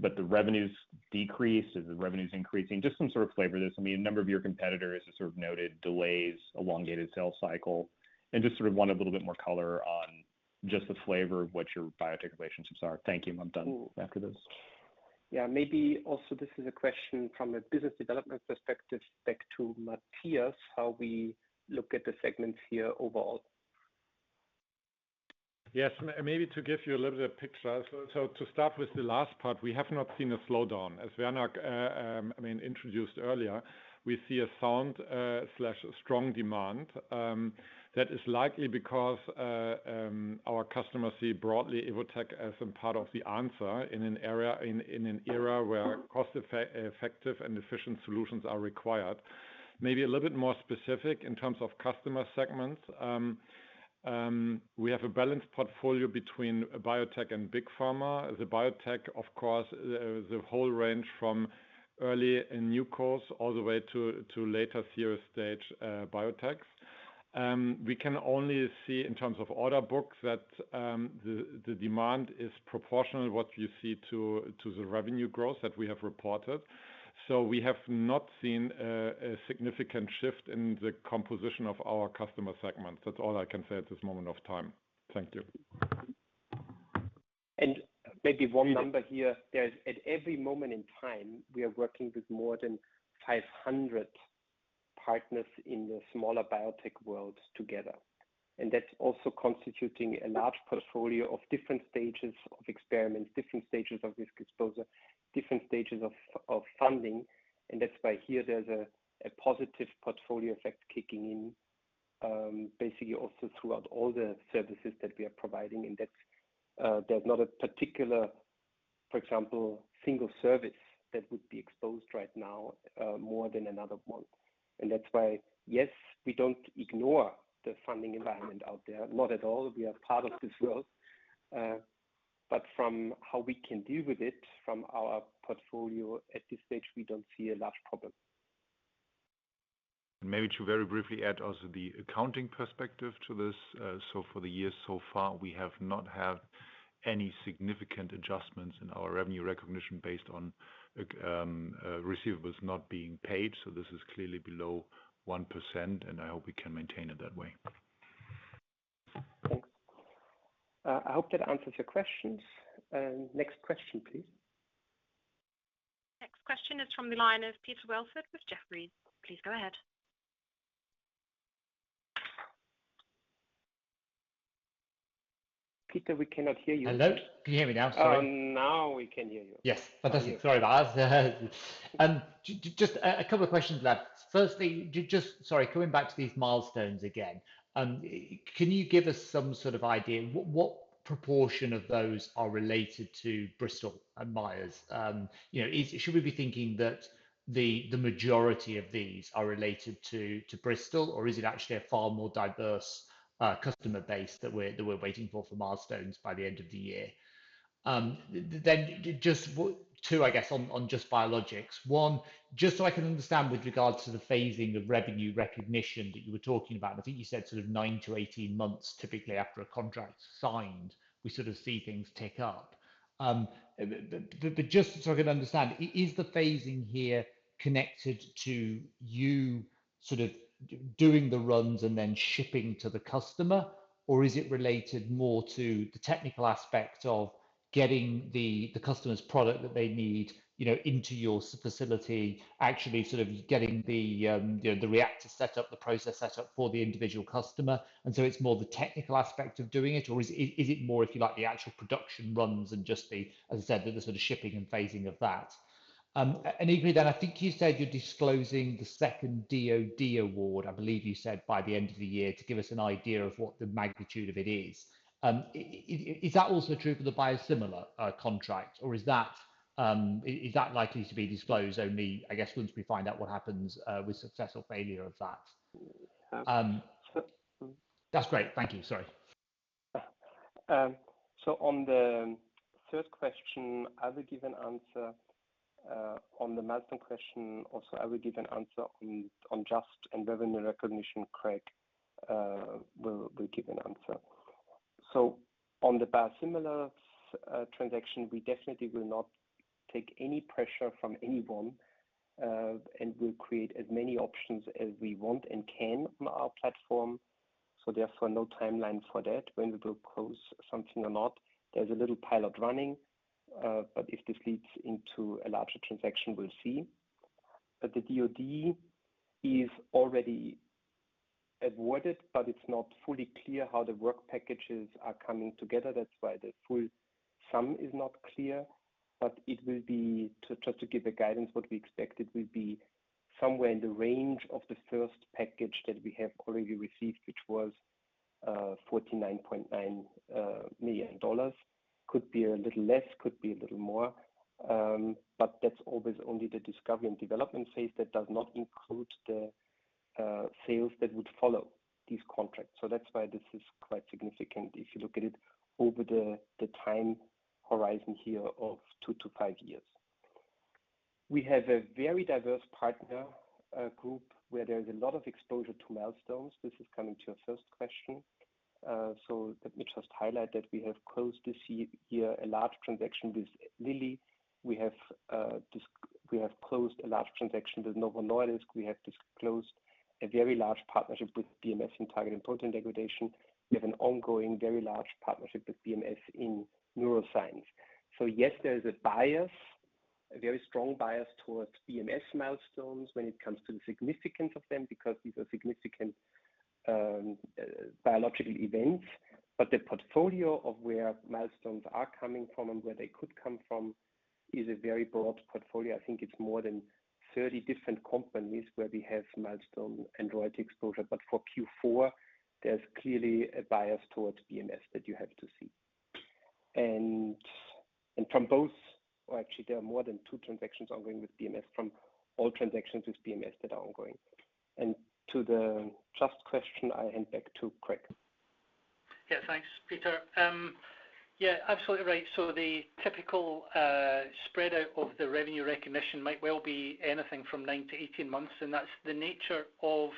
But the revenues decreased. Is the revenues increasing? Just some sort of flavor this. I mean, a number of your competitors have sort of noted delays, elongated sales cycle and just sort of want a little bit more color on just the flavor of what your biotech relationships are. Thank you. I'm done after this. Yeah. Maybe also this is a question from a business development perspective back to Matthias, how we look at the segments here overall? Maybe to give you a little bit of picture. To start with the last part, we have not seen a slowdown. As Werner introduced earlier, we see strong demand that is likely because our customers see broadly Evotec as a part of the answer in an era where cost-effective and efficient solutions are required. Maybe a little bit more specific in terms of customer segments. We have a balanced portfolio between biotech and big pharma. The biotech, of course, the whole range from early and newcomers all the way to later-stage biotechs. We can only see in terms of order books that the demand is proportional to what you see in the revenue growth that we have reported. We have not seen a significant shift in the composition of our customer segments. That's all I can say at this moment of time. Thank you. Maybe one number here. There's at every moment in time, we are working with more than 500 partners in the smaller biotech world together and that's also constituting a large portfolio of different stages of experiments, different stages of risk exposure, different stages of funding. That's why here there's a positive portfolio effect kicking in, basically also throughout all the services that we are providing. That's why there's not a particular, for example, single service that would be exposed right now, more than another one. Yes, we don't ignore the funding environment out there. Not at all. We are part of this world. From how we can deal with it from our portfolio at this stage, we don't see a large problem. Maybe to very briefly add also the accounting perspective to this. For the years so far, we have not had any significant adjustments in our revenue recognition based on receivables not being paid. This is clearly below 1% and I hope we can maintain it that way. Thanks. I hope that answers your questions. Next question, please. Next question is from the line of Peter Welford with Jefferies. Please go ahead. Peter, we cannot hear you. Hello? Can you hear me now? Sorry. Oh, now we can hear you. Yes. Fantastic. Sorry about that. Just a couple of questions left. Firstly, just sorry, coming back to these milestones again. Can you give us some sort of idea what proportion of those are related to Bristol Myers? You know, should we be thinking that the majority of these are related to Bristol or is it actually a far more diverse customer base that we're waiting for milestones by the end of the year? Just two, I guess on Just - Evotec Biologics. One, just so I can understand with regards to the phasing of revenue recognition that you were talking about and I think you said sort of nine-18 months typically after a contract's signed, we sort of see things tick up. Just so I can understand, is the phasing here connected to you sort of doing the runs and then shipping to the customer? Or is it related more to the technical aspect of getting the customer's product that they need, you know, into your facility, actually sort of getting the you know, the reactor set up, the process set up for the individual customer and so it's more the technical aspect of doing it? Or is it more, if you like, the actual production runs and just the, as I said, the sort of shipping and phasing of that? Equally then, I think you said you're disclosing the second DoD award, I believe you said, by the end of the year to give us an idea of what the magnitude of it is. Is that also true for the biosimilar contract or is that likely to be disclosed only, I guess, once we find out what happens with success or failure of that? That's great. Thank you. Sorry. On the third question, I will give an answer. On the milestone question also, I will give an answer. On Just and revenue recognition, Craig, will give an answer. On the biosimilar transaction, we definitely will not take any pressure from anyone and we'll create as many options as we want and can on our platform, therefore no timeline for that when we will close something or not. There's a little pilot running but if this leads into a larger transaction, we'll see. The DoD is already awarded but it's not fully clear how the work packages are coming together. That's why the full sum is not clear. It will be to try to give guidance what we expect. It will be somewhere in the range of the first package that we have already received, which was $49.9 million. Could be a little less, could be a little more. That's always only the discovery and development phase. That does not include the sales that would follow these contracts. That's why this is quite significant if you look at it over the time horizon here of 2 to 5 years. We have a very diverse partner group where there's a lot of exposure to milestones. This is coming to your first question. Let me just highlight that we have closed this year a large transaction with Lilly. We have closed a large transaction with Novo Nordisk. We have just closed a very large partnership with BMS in targeted protein degradation. We have an ongoing, very large partnership with BMS in neuroscience. Yes, there is a bias, a very strong bias towards BMS milestones when it comes to the significance of them, because these are significant biological events. The portfolio of where milestones are coming from and where they could come from is a very broad portfolio. I think it's more than 30 different companies where we have milestone and royalty exposure. For Q4, there's clearly a bias towards BMS that you have to see. Well, actually, there are more than two transactions ongoing with BMS, from all transactions with BMS that are ongoing. To the next question, I hand back to Craig. Yeah, thanks, Peter. Yeah, absolutely right. The typical spread out of the revenue recognition might well be anything from nine-18 months and that's the nature of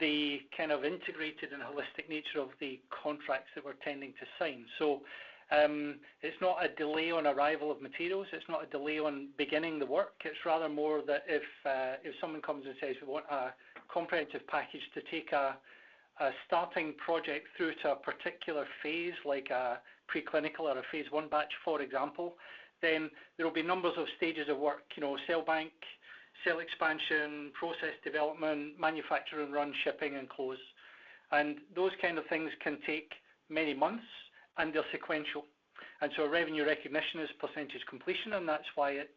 the kind of integrated and holistic nature of the contracts that we're tending to sign. It's not a delay on arrival of materials. It's not a delay on beginning the work. It's rather more that if someone comes and says, "We want a comprehensive package to take a starting project through to a particular phase," like a preclinical or a phase one batch, for example, then there will be numbers of stages of work. You know, cell bank, cell expansion, process development, manufacture and run, shipping and close. Those kind of things can take many months and they're sequential. Revenue recognition is percentage completion and that's why it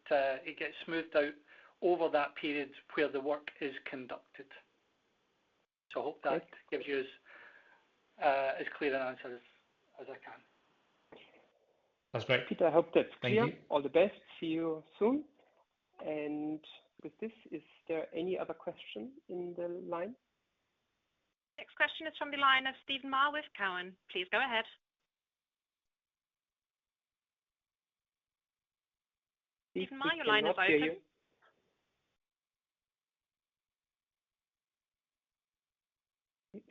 gets smoothed out over that period where the work is conducted. I hope that gives you as clear an answer as I can. That's great. Peter, I hope that's clear. Thank you. All the best. See you soon. With this, is there any other question in the line? Next question is from the line of Steven Mah with Cowen. Please go ahead. Steven Mah, your line is open.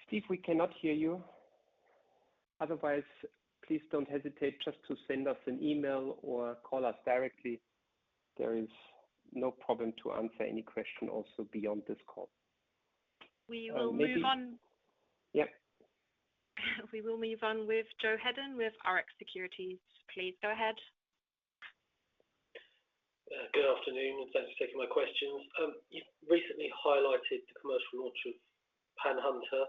Steve, we cannot hear you. Otherwise, please don't hesitate just to send us an email or call us directly. There is no problem to answer any question also beyond this call. We will move on. We will move on with Joseph Hedden with Rx Securities. Please go ahead. Good afternoon and thanks for taking my questions. You recently highlighted the commercial launch of PanHunter.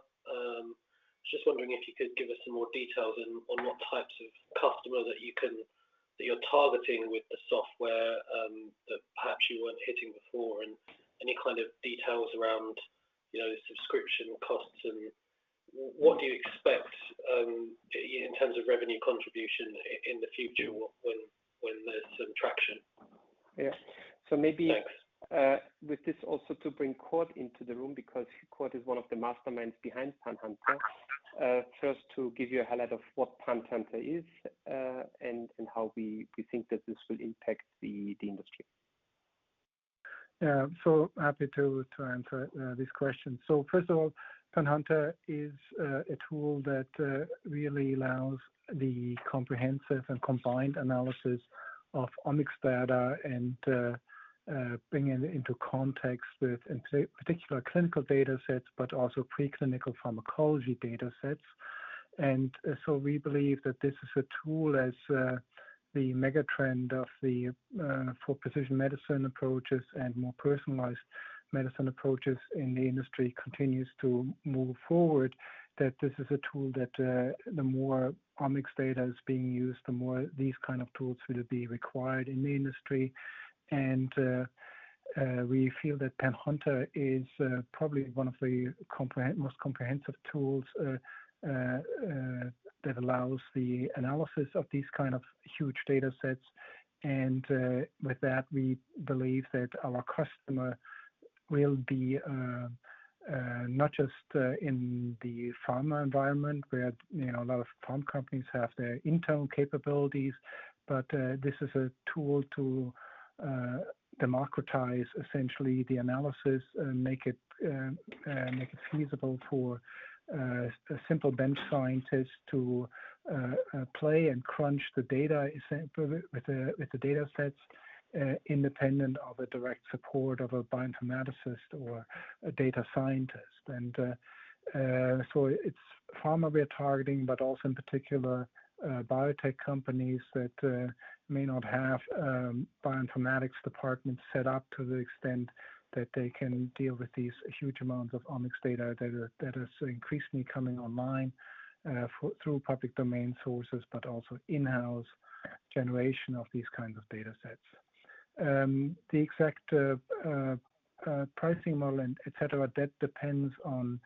Just wondering if you could give us some more details on what types of customers that you're targeting with the software, that perhaps you weren't hitting before and any kind of details around, you know, subscription costs and what do you expect in terms of revenue contribution in the future when there's some traction? Yeah. Maybe, with this also to bring Cord into the room because Cord is one of the masterminds behind PanHunter. First to give you a highlight of what PanHunter is and how we think that this will impact the industry. Yeah. Happy to answer this question. First of all, PanHunter is a tool that really allows the comprehensive and combined analysis of omics data and bringing into context with in particular clinical data sets but also preclinical pharmacology data sets. We believe that this is a tool as the mega trend of the for precision medicine approaches and more personalized medicine approaches in the industry continues to move forward. That this is a tool that the more omics data is being used, the more these kind of tools will be required in the industry. We feel that PanHunter is probably one of the most comprehensive tools that allows the analysis of these kind of huge data sets. with that, we believe that our customer will be not just in the pharma environment where, you know, a lot of pharm companies have their internal capabilities but this is a tool to democratize essentially the analysis and make it feasible for a simple bench scientist to play and crunch the data with the data sets independent of a direct support of a bioinformaticist or a data scientist. It's pharma we're targeting but also in particular biotech companies that may not have bioinformatics departments set up to the extent that they can deal with these huge amounts of omics data that are so increasingly coming online through public domain sources but also in-house generation of these kinds of data sets. The exact pricing model and et cetera, that depends on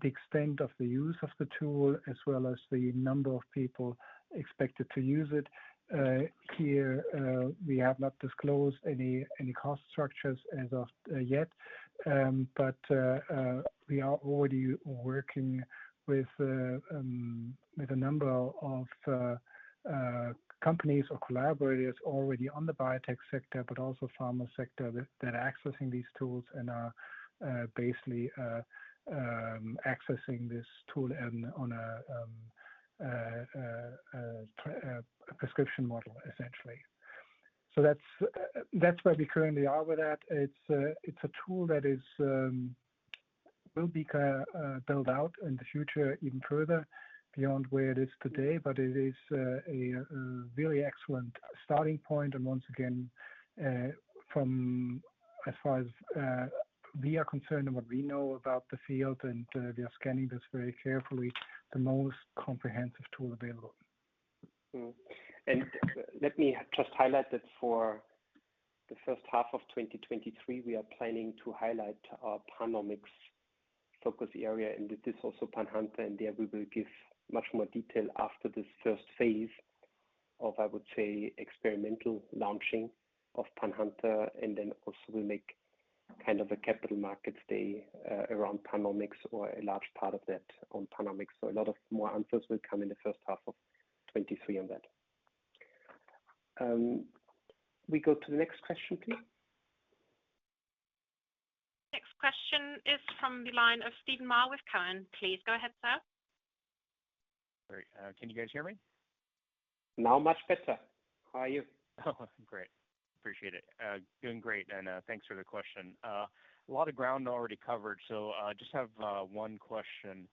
the extent of the use of the tool as well as the number of people expected to use it. Here, we have not disclosed any cost structures as of yet. We are already working with a number of companies or collaborators already on the biotech sector but also pharma sector that are accessing these tools and are basically accessing this tool on a subscription model essentially. That's where we currently are with that. It's a tool that will be built out in the future even further beyond where it is today. It is a very excellent starting point. Once again, from as far as we are concerned and what we know about the field and we are scanning this very carefully, the most comprehensive tool available. Let me just highlight that for the first half of 2023, we are planning to highlight our Panomics focus area and it is also PanHunter. There we will give much more detail after this first phase of, I would say, experimental launching of PanHunter and then also we'll make kind of a capital markets day around Panomics or a large part of that on Panomics. A lot more answers will come in the first half of 2023 on that. We go to the next question, please. Next question is from the line of Steven Mah with Cowen. Please go ahead, sir. Great. Can you guys hear me? Now much better. How are you? Great. Appreciate it. Doing great and thanks for the question. A lot of ground already covered, so just have one question.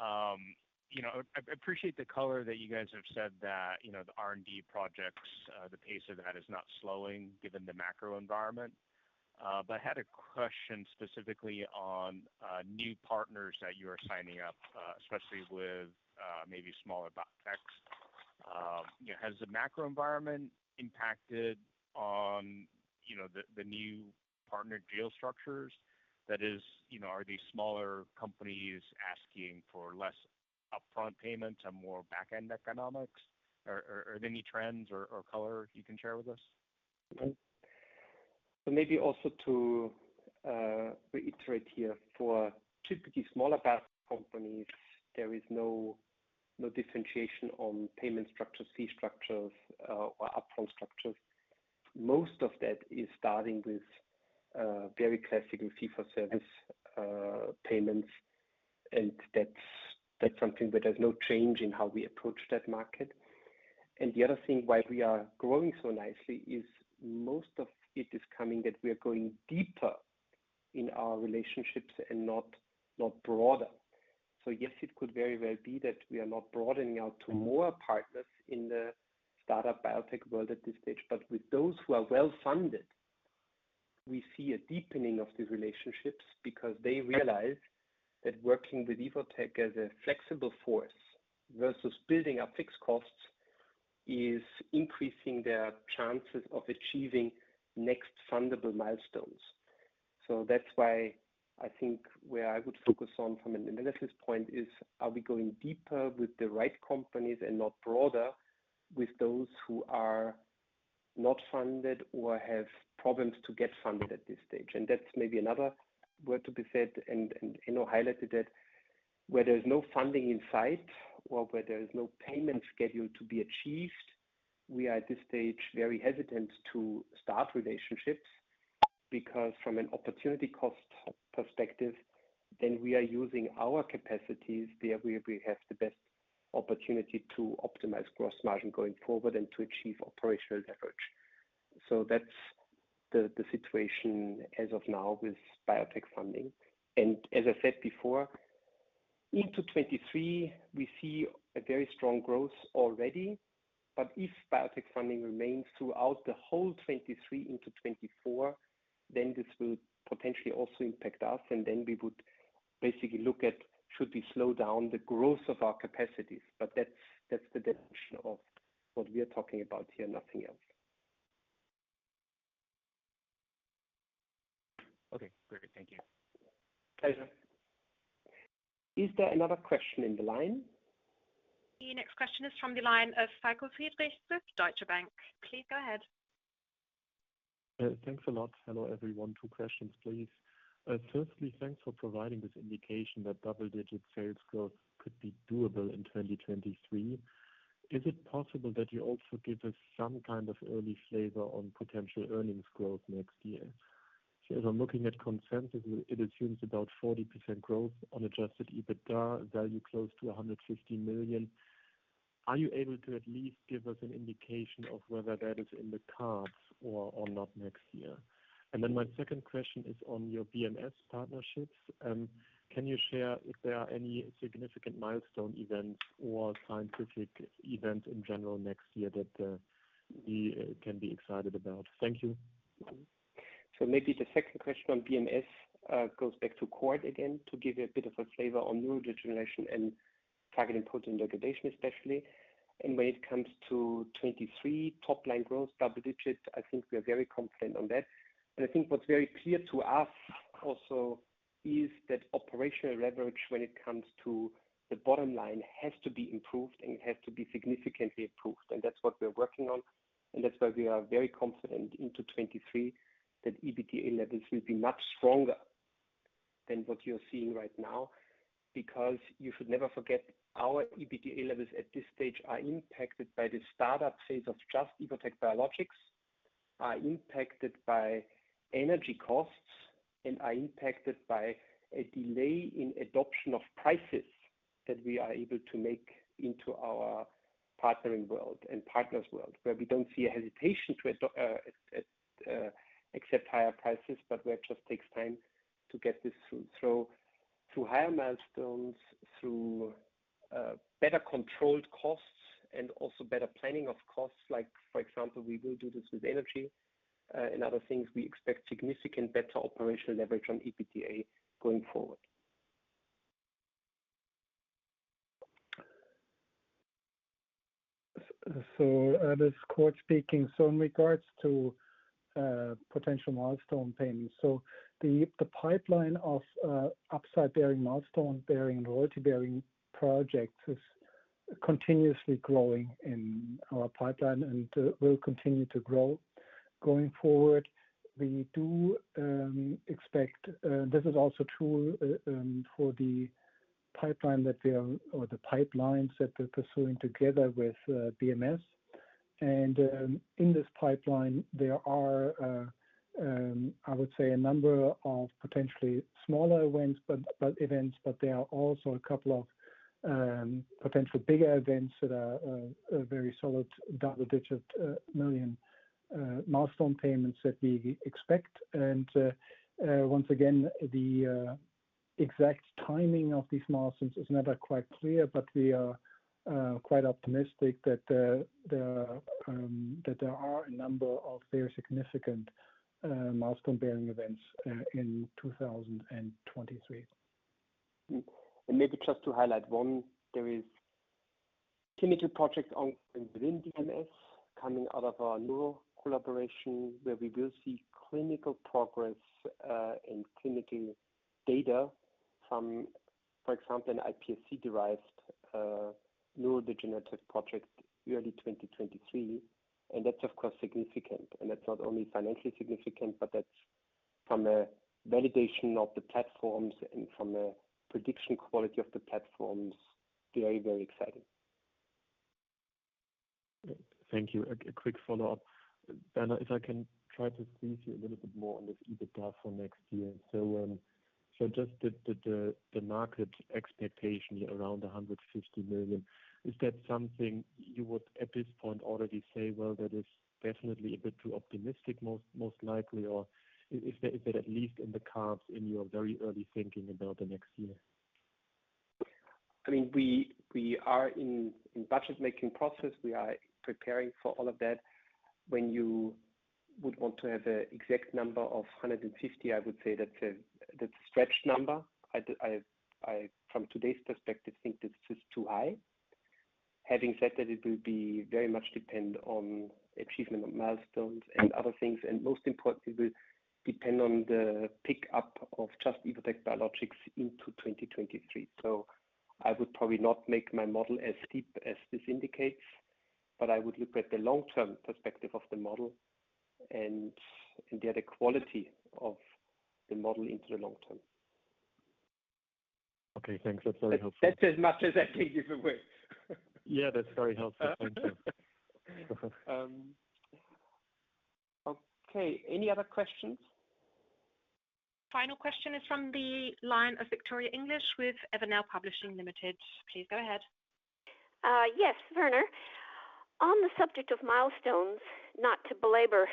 You know, I appreciate the color that you guys have said that, you know, the R&D projects, the pace of that is not slowing given the macro environment. I had a question specifically on new partners that you are signing up, especially with maybe smaller biotechs. You know, has the macro environment impacted on, you know, the new partner deal structures? That is, you know, are these smaller companies asking for less upfront payments and more back-end economics? Or are there any trends or color you can share with us? Maybe also to reiterate here for typically smaller biotech companies, there is no differentiation on payment structures, fee structures or upfront structures. Most of that is starting with very classical fee for service payments. That's something where there's no change in how we approach that market. The other thing why we are growing so nicely is most of it is coming that we are going deeper in our relationships and not broader. Yes, it could very well be that we are not broadening out to more partners in the startup biotech world at this stage. With those who are well-funded, we see a deepening of these relationships because they realize that working with Evotec as a flexible force versus building up fixed costs is increasing their chances of achieving next fundable milestones. That's why I think where I would focus on from an analyst point is, are we going deeper with the right companies and not broader with those who are not funded or have problems to get funded at this stage? That's maybe another word to be said and, you know, highlighted that where there's no funding in sight or where there is no payment schedule to be achieved, we are at this stage very hesitant to start relationships because from an opportunity cost perspective, then we are using our capacities there where we have the best opportunity to optimize gross margin going forward and to achieve operational leverage. That's the situation as of now with biotech funding. As I said before, into 2023, we see a very strong growth already. If biotech funding remains throughout the whole 2023 into 2024, then this will potentially also impact us and then we would basically look at should we slow down the growth of our capacities. That's the dimension of what we are talking about here, nothing else. Okay, great. Thank you. Pleasure. Is there another question in the line? The next question is from the line of Deutsche Bank. Thanks a lot. Hello, everyone. Two questions, please. Firstly, thanks for providing this indication that double-digit sales growth could be doable in 2023. Is it possible that you also give us some kind of early flavor on potential earnings growth next year? As I'm looking at consensus, it assumes about 40% growth on adjusted EBITDA value close to 150 million. Are you able to at least give us an indication of whether that is in the cards or not next year? My second question is on your BMS partnerships. Can you share if there are any significant milestone events or scientific events in general next year that we can be excited about? Thank you. Maybe the second question on BMS goes back to Cord again to give you a bit of a flavor on neurodegeneration and targeted protein degradation, especially. When it comes to 2023 top-line growth, double digits, I think we are very confident on that. I think what's very clear to us also is that operational leverage when it comes to the bottom line has to be improved and it has to be significantly improved. That's what we're working on and that's why we are very confident in 2023 that EBITDA levels will be much stronger than what you're seeing right now. Because you should never forget our EBITDA levels at this stage are impacted by the startup phase of Just - Evotec Biologics, are impacted by energy costs and are impacted by a delay in adoption of prices that we are able to make into our partnering world and partners world, where we don't see a hesitation to accept higher prices but where it just takes time to get this through. Through higher milestones, through better controlled costs and also better planning of costs, like for example, we will do this with energy and other things, we expect significant better operational leverage on EBITDA going forward. This is Cord speaking. In regards to potential milestone payments. The pipeline of upside-bearing, milestone-bearing, royalty-bearing projects is continuously growing in our pipeline and will continue to grow going forward. We do expect this is also true for the pipelines that we're pursuing together with BMS. In this pipeline there are, I would say, a number of potentially smaller wins but events but there are also a couple of potential bigger events that are a very solid double-digit million milestone payments that we expect. Once again, the exact timing of these milestones is never quite clear but we are quite optimistic that there are a number of very significant milestone-bearing events in 2023. Maybe just to highlight one, there is clinical project ongoing within BMS coming out of our neuro collaboration, where we will see clinical progress, in clinical data from, for example, an iPSC-derived neurodegenerative project early 2023. That's of course significant. That's not only financially significant but that's from a validation of the platforms and from a prediction quality of the platforms, very, very exciting. Thank you. A quick follow-up. If I can try to squeeze you a little bit more on this EBITDA for next year just the market expectation around 150 million, is that something you would at this point already say, that is definitely a bit too optimistic most likely or is that at least in the cards in your very early thinking about the next year? I mean, we are in budget making process. We are preparing for all of that. When you would want to have an exact number of 150, I would say that's a stretched number. I from today's perspective think this is too high. Having said that, it will be very much depend on achievement of milestones and other things and most importantly, will depend on the pick up of Just - Evotec Biologics into 2023. I would probably not make my model as steep as this indicates but I would look at the long-term perspective of the model and the other quality of the model into the long term. Okay, thanks. That's very helpful. That's as much as I can give away. Yeah, that's very helpful. Thank you. Okay. Any other questions? Final question is from the line of Victoria English with Evernow Publishing Ltd. Please go ahead. Yes, Werner. On the subject of milestones, not to belabor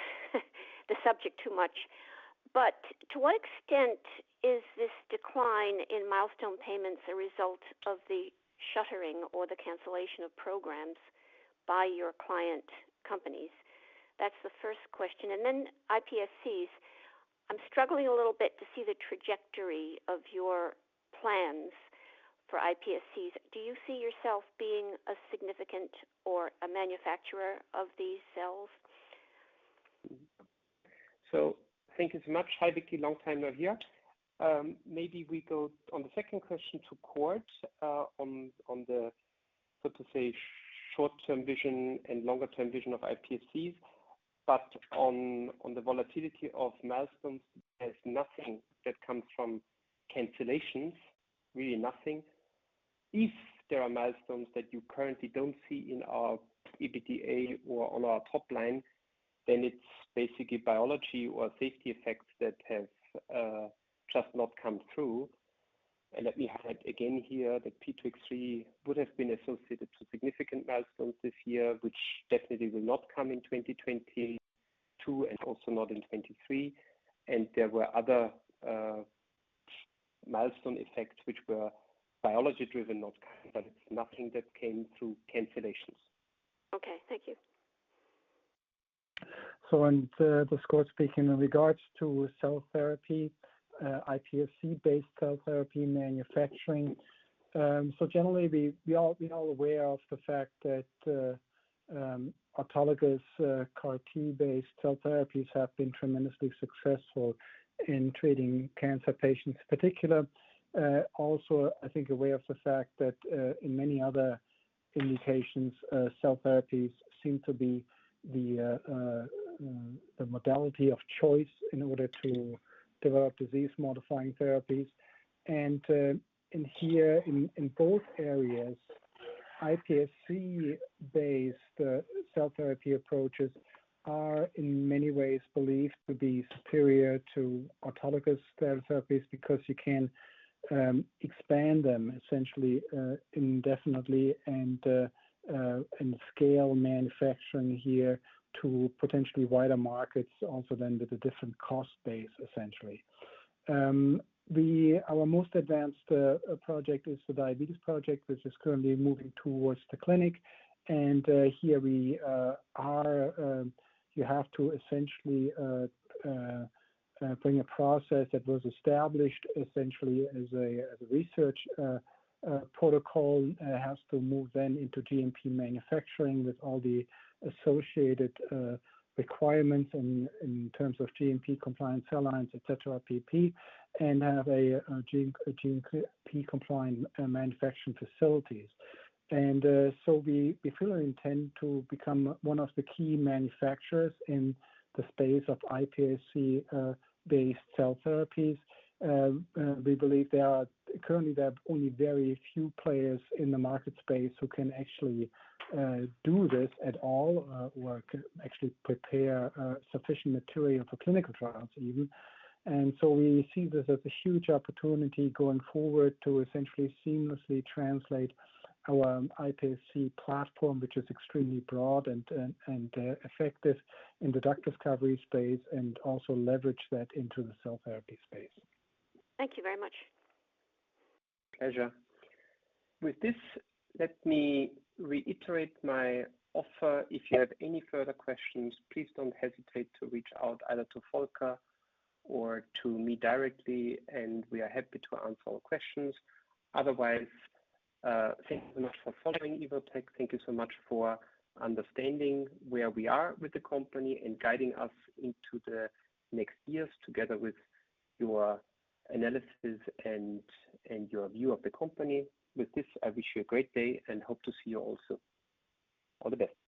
the subject too much but to what extent is this decline in milestone payments a result of the shuttering or the cancellation of programs by your client companies? That's the first question. Then iPSCs. I'm struggling a little bit to see the trajectory of your plans for iPSCs. Do you see yourself being a significant or a manufacturer of these cells? Thank you so much. Hi, Vicky. Long time no hear. Maybe we go on the second question to Cord, on the, so to say, short-term vision and longer term vision of iPSCs. But on the volatility of milestones, there's nothing that comes from cancellations. Really nothing. If there are milestones that you currently don't see in our EBITDA or on our top line, then it's basically biology or safety effects that have just not come through. Let me highlight again here that P2X3 would have been associated to significant milestones this year, which definitely will not come in 2022 and also not in 2023. There were other milestone effects which were biology driven, not client but it's nothing that came through cancellations. Okay. Thank you. This is Cord speaking. In regards to cell therapy, iPSC-based cell therapy manufacturing. Generally, we all aware of the fact that autologous CAR-T-based cell therapies have been tremendously successful in treating cancer patients in particular. Also, I think aware of the fact that in many other indications, cell therapies seem to be the modality of choice in order to develop disease-modifying therapies. Here in both areas, iPSC-based cell therapy approaches are in many ways believed to be superior to autologous cell therapies because you can expand them essentially indefinitely and scale manufacturing here to potentially wider markets also then with a different cost base essentially. Our most advanced project is the diabetes project, which is currently moving towards the clinic. Here we are, you have to essentially bring a process that was established essentially as a research protocol. It has to move then into GMP manufacturing with all the associated requirements in terms of GMP compliance cell lines, et cetera and have a GMP compliant manufacturing facilities. We fully intend to become one of the key manufacturers in the space of iPSC-based cell therapies. We believe currently, there are only very few players in the market space who can actually do this at all or can actually prepare sufficient material for clinical trials even. We see this as a huge opportunity going forward to essentially seamlessly translate our iPSC platform, which is extremely broad and effective in the drug discovery space and also leverage that into the cell therapy space. Thank you very much. Pleasure. With this, let me reiterate my offer. If you have any further questions, please don't hesitate to reach out either to Volker or to me directly and we are happy to answer all questions. Otherwise, thank you so much for following Evotec. Thank you so much for understanding where we are with the company and guiding us into the next years together with your analysis and your view of the company. With this, I wish you a great day and hope to see you all soon. All the best.